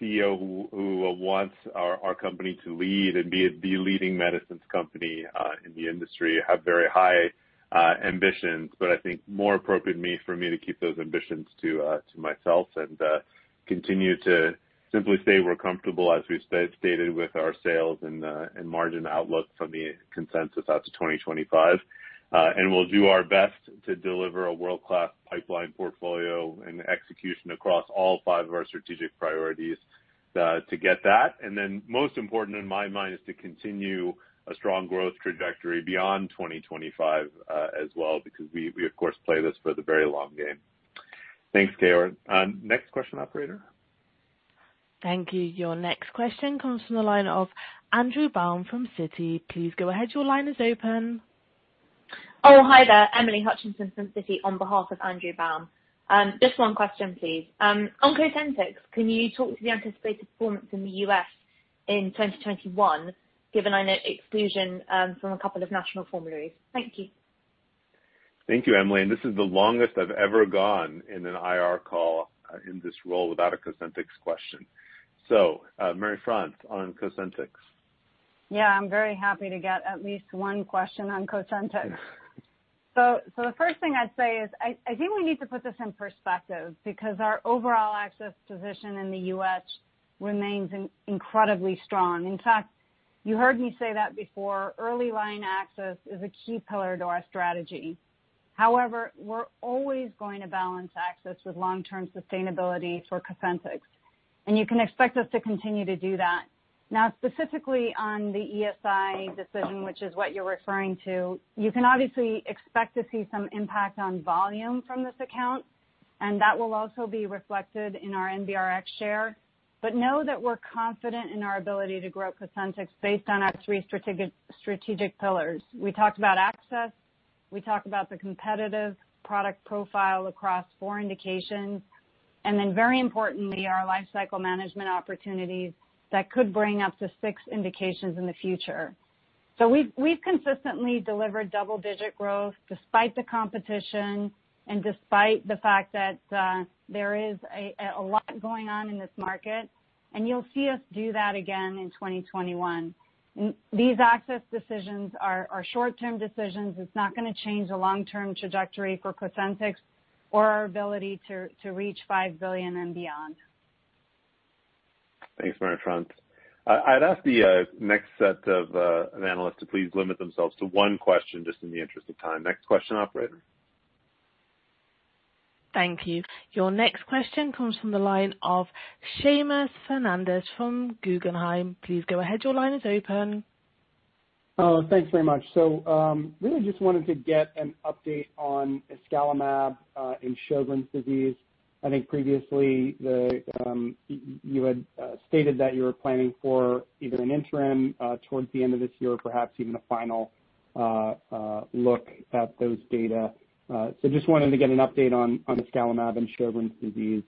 CEO who wants our company to lead and be the leading medicines company in the industry, have very high ambitions. But I think more appropriate for me to keep those ambitions to myself and, continue to simply say we're comfortable, as we've stated, with our sales and margin outlook from the consensus out to 2025. We'll do our best to deliver a world-class pipeline portfolio and execution across all five of our strategic priorities to get that. Most important in my mind is to continue a strong growth trajectory beyond 2025 as well, because we of course, play this for the very long game. Thanks, Keyur. Next question, operator. Thank you. Your next question comes from the line of Andrew Baum from Citi. Please go ahead. Your line is open. Oh, hi there. Emily Hutchinson from Citi on behalf of Andrew Baum. Just one question, please. On Cosentyx, can you talk to the anticipated performance in the U.S. in 2021 given an exclusion from a couple of national formularies? Thank you. Thank you, Emily. This is the longest I've ever gone in an IR call in this role without a Cosentyx question. Marie-France on Cosentyx. Yeah, I'm very happy to get at least one question on Cosentyx. The first thing I'd say is I think we need to put this in perspective because our overall access position in the U.S. remains incredibly strong. In fact, you heard me say that before. Early line access is a key pillar to our strategy. However, we're always going to balance access with long-term sustainability for Cosentyx, and you can expect us to continue to do that. Specifically on the ESI decision, which is what you're referring to, you can obviously expect to see some impact on volume from this account, and that will also be reflected in our NBRx share. Know that we're confident in our ability to grow Cosentyx based on our three strategic pillars. We talked about access. We talked about the competitive product profile across four indications, and then very importantly, our lifecycle management opportunities that could bring up to six indications in the future. We've consistently delivered double-digit growth despite the competition and despite the fact that there is a lot going on in this market. You'll see us do that again in 2021. These access decisions are short-term decisions. It's not going to change the long-term trajectory for Cosentyx or our ability to reach $5 billion and beyond. Thanks, Marie-France. I'd ask the next set of analysts to please limit themselves to one question, just in the interest of time. Next question, operator. Thank you. Your next question comes from the line of Seamus Fernandez from Guggenheim. Please go ahead. Your line is open. Thanks very much. Really just wanted to get an update on iscalimab in Sjögren's disease. I think previously you had stated that you were planning for either an interim towards the end of this year or perhaps even a final look at those data. Just wanted to get an update on iscalimab in Sjögren's disease.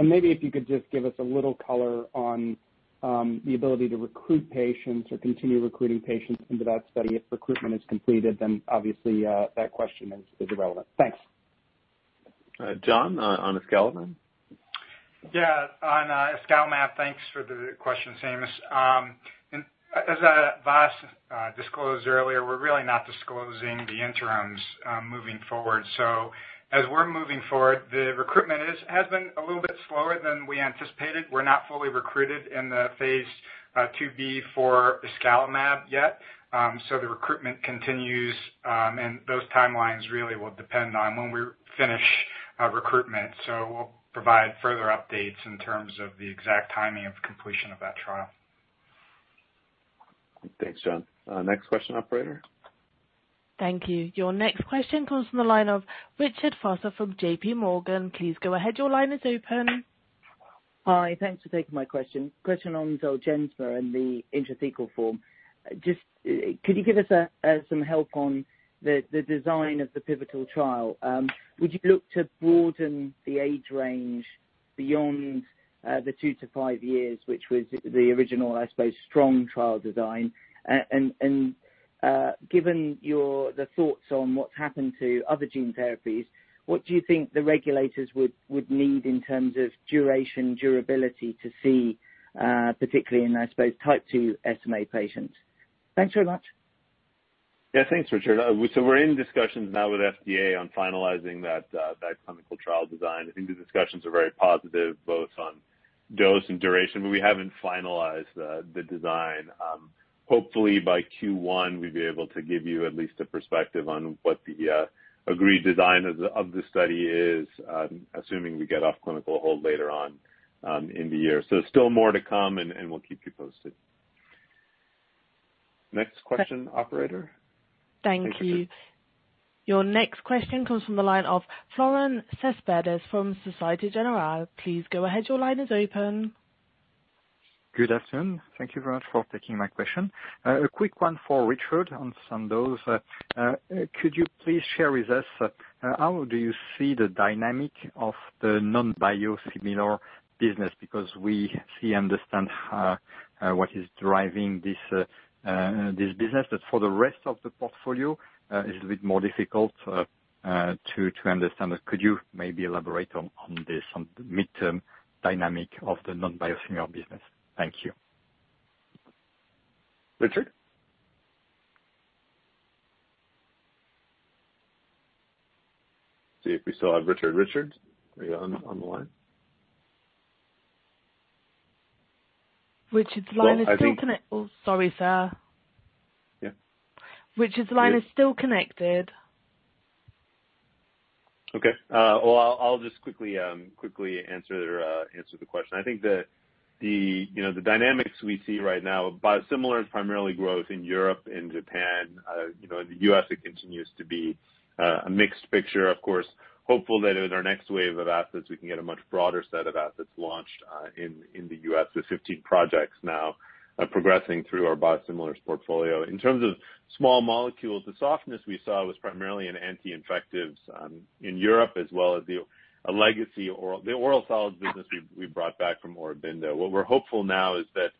Maybe if you could just give us a little color on the ability to recruit patients or continue recruiting patients into that study. If recruitment is completed, then obviously that question is irrelevant. Thanks. John, on iscalimab? Yeah, on iscalimab. Thanks for the question, Seamus. As Vas disclosed earlier, we're really not disclosing the interims moving forward. As we're moving forward, the recruitment has been a little bit slower than we anticipated. We're not fully recruited in the phase IIB for iscalimab yet. The recruitment continues. Those timelines really will depend on when we finish recruitment. We'll provide further updates in terms of the exact timing of completion of that trial. Thanks, John. Next question, operator. Thank you. Your next question comes from the line of Richard Vosser from JPMorgan. Please go ahead. Your line is open. Hi. Thanks for taking my question. Question on Zolgensma and the intrathecal form. Just could you give us some help on the design of the pivotal trial? Would you look to broaden the age range beyond the two to five years, which was the original, I suppose, strong trial design? Given the thoughts on what's happened to other gene therapies, what do you think the regulators would need in terms of duration, durability to see, particularly in, I suppose, type 2 SMA patients? Thanks very much. Yeah, thanks, Richard. We're in discussions now with FDA on finalizing that clinical trial design. I think the discussions are very positive, both on dose and duration, but we haven't finalized the design. Hopefully by Q1 we'd be able to give you at least a perspective on what the agreed design of the study is, assuming we get off clinical hold later on in the year. Still more to come and we'll keep you posted. Next question, operator. Thank you. Your next question comes from the line of Florent Cespedes from Société Générale. Please go ahead. Your line is open. Good afternoon. Thank you very much for taking my question. A quick one for Richard on Sandoz. Could you please share with us how do you see the dynamic of the non-biosimilar business? Because we understand what is driving this business, but for the rest of the portfolio, it is a bit more difficult to understand. Could you maybe elaborate on this midterm dynamic of the non-biosimilar business? Thank you. Richard? See if we still have Richard. Richard, are you on the line? Richard's line is still connected. Well, I think. Oh, sorry, sir. Yeah. Richard's line is still connected. Okay. Well, I'll just quickly answer the question. I think the dynamics we see right now, biosimilar is primarily growth in Europe and Japan. In the U.S., it continues to be a mixed picture, of course. Hopeful that in our next wave of assets, we can get a much broader set of assets launched in the U.S. with 15 projects now progressing through our biosimilars portfolio. In terms of small molecules, the softness we saw was primarily in anti-infectives in Europe, as well as the legacy oral solids business we brought back from Aurobindo. What we're hopeful now is that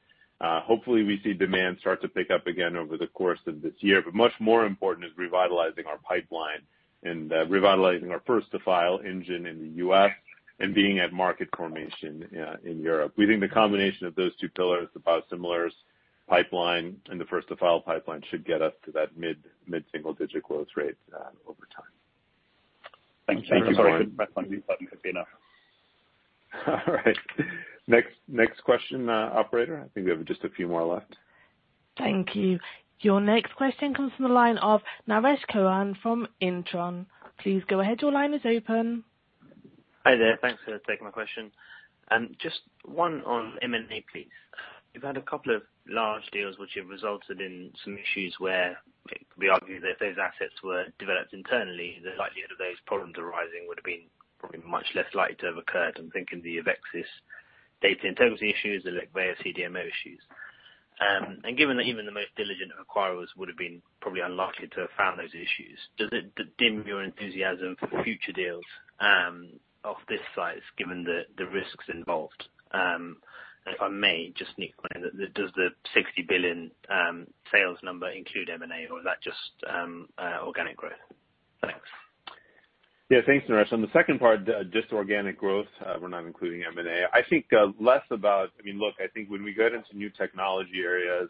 hopefully we see demand start to pick up again over the course of this year. Much more important is revitalizing our pipeline and revitalizing our first-to-file engine in the U.S. and being at market formation in Europe. We think the combination of those two pillars, the biosimilars pipeline and the first-to-file pipeline, should get us to that mid-single-digit growth rate over time. Thank you. Sorry, I pressed my mute button. Happy now. All right. Next question, operator. I think we have just a few more left. Thank you. Your next question comes from the line of Naresh Chouhan from Intron. Please go ahead. Your line is open. Hi there. Thanks for taking my question. Just one on M&A, please. You've had a couple of large deals which have resulted in some issues where it could be argued that if those assets were developed internally, the likelihood of those problems arising would have been probably much less likely to have occurred. I'm thinking the AveXis data in terms of the issues, the Leqvio CDMO issues. Given that even the most diligent acquirers would have been probably unlikely to have found those issues, does it dim your enthusiasm for future deals of this size, given the risks involved? If I may just sneak one in. Does the 60 billion sales number include M&A or is that just organic growth? Thanks. Yeah. Thanks, Naresh. On the second part, just organic growth. We're not including M&A. Look, I think when we get into new technology areas,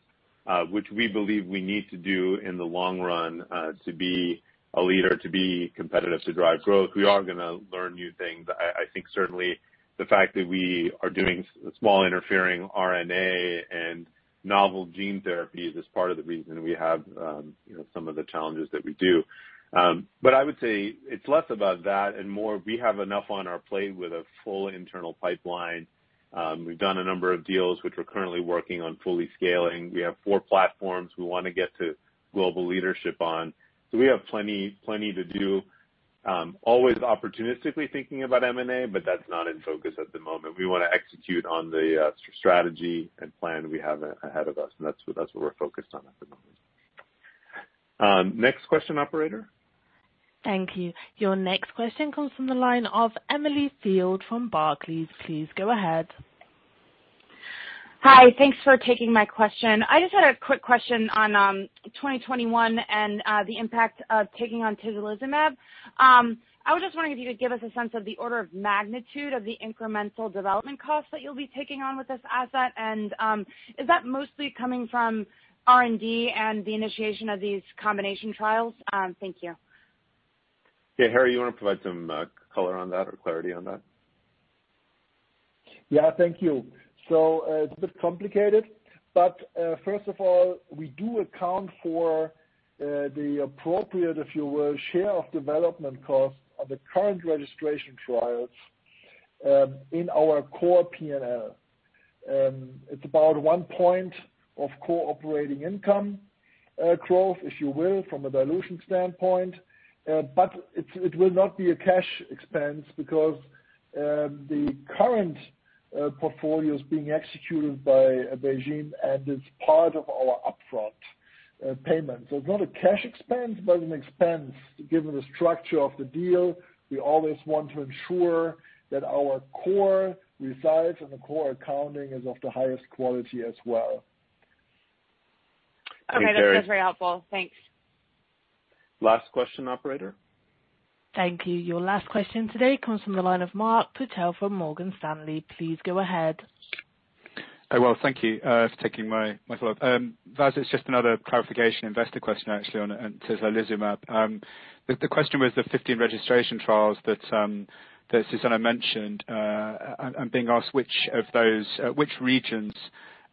which we believe we need to do in the long run to be a leader, to be competitive, to drive growth, we are going to learn new things. I think certainly the fact that we are doing small interfering RNA and novel gene therapies is part of the reason we have some of the challenges that we do. I would say it's less about that and more we have enough on our plate with a full internal pipeline. We've done a number of deals which we're currently working on fully scaling. We have four platforms we want to get to global leadership on. We have plenty to do. Always opportunistically thinking about M&A, but that's not in focus at the moment. We want to execute on the strategy and plan we have ahead of us, and that's what we're focused on at the moment. Next question, operator. Thank you. Your next question comes from the line of Emily Field from Barclays. Please go ahead. Hi. Thanks for taking my question. I just had a quick question on 2021 and the impact of taking on tislelizumab. I was just wondering if you could give us a sense of the order of magnitude of the incremental development costs that you'll be taking on with this asset. Is that mostly coming from R&D and the initiation of these combination trials? Thank you. Yeah. Harry, you want to provide some color on that or clarity on that? Thank you. It's a bit complicated, but first of all, we do account for the appropriate, if you will, share of development costs of the current registration trials in our core P&L. It's about one point of core operating income growth, if you will, from a dilution standpoint. It will not be a cash expense because the current portfolio is being executed by BeiGene and is part of our upfront payment. It's not a cash expense, but an expense given the structure of the deal. We always want to ensure that our core results and the core accounting is of the highest quality as well. Okay. That is very helpful. Thanks. Last question, operator. Thank you. Your last question today comes from the line of Mark Purcell from Morgan Stanley. Please go ahead. Thank you for taking my call. Vas, it's just another clarification investor question actually on tislelizumab. The question was the 15 registration trials that Susanne mentioned. I'm being asked which of those, which regions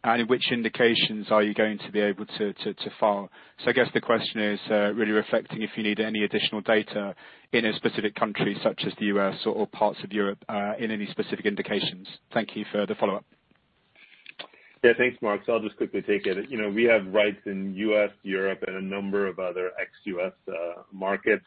and in which indications are you going to be able to file? I guess the question is really reflecting if you need any additional data in a specific country such as the U.S. or parts of Europe in any specific indications. Thank you for the follow-up. Yeah. Thanks, Mark. I'll just quickly take it. We have rights in U.S., Europe, and a number of other ex-U.S. markets.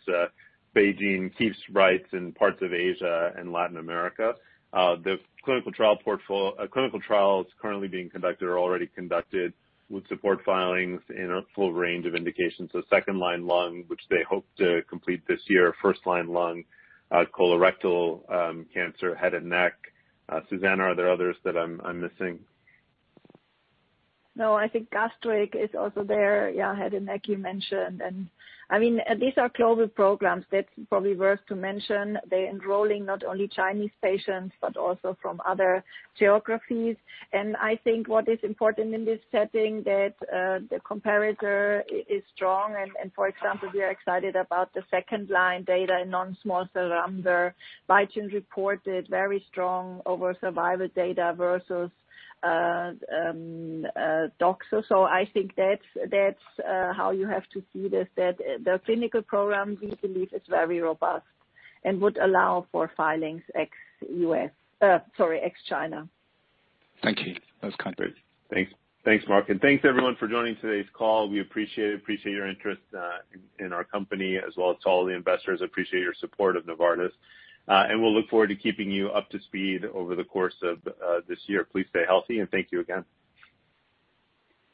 BeiGene keeps rights in parts of Asia and Latin America. The clinical trial is currently being conducted or already conducted would support filings in a full range of indications. Second-line lung, which they hope to complete this year, first-line lung, colorectal cancer, head and neck. Susanne, are there others that I'm missing? No, I think gastric is also there. Yeah, head and neck you mentioned. These are global programs. That is probably worth to mention. They are enrolling not only Chinese patients but also from other geographies. I think what is important in this setting that the comparator is strong. For example, we are excited about the second-line data in non-small cell lung where BeiGene reported very strong overall survival data versus docetaxel. I think that is how you have to see this, that the clinical program we believe is very robust and would allow for filings ex-China. Thank you. That's kind. Great. Thanks, Mark. Thanks everyone for joining today's call. We appreciate your interest in our company as well as to all the investors. We appreciate your support of Novartis. We'll look forward to keeping you up to speed over the course of this year. Please stay healthy, and thank you again.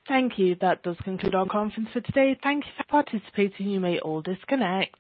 Thank you. That does conclude our conference for today. Thank you for participating. You may all disconnect.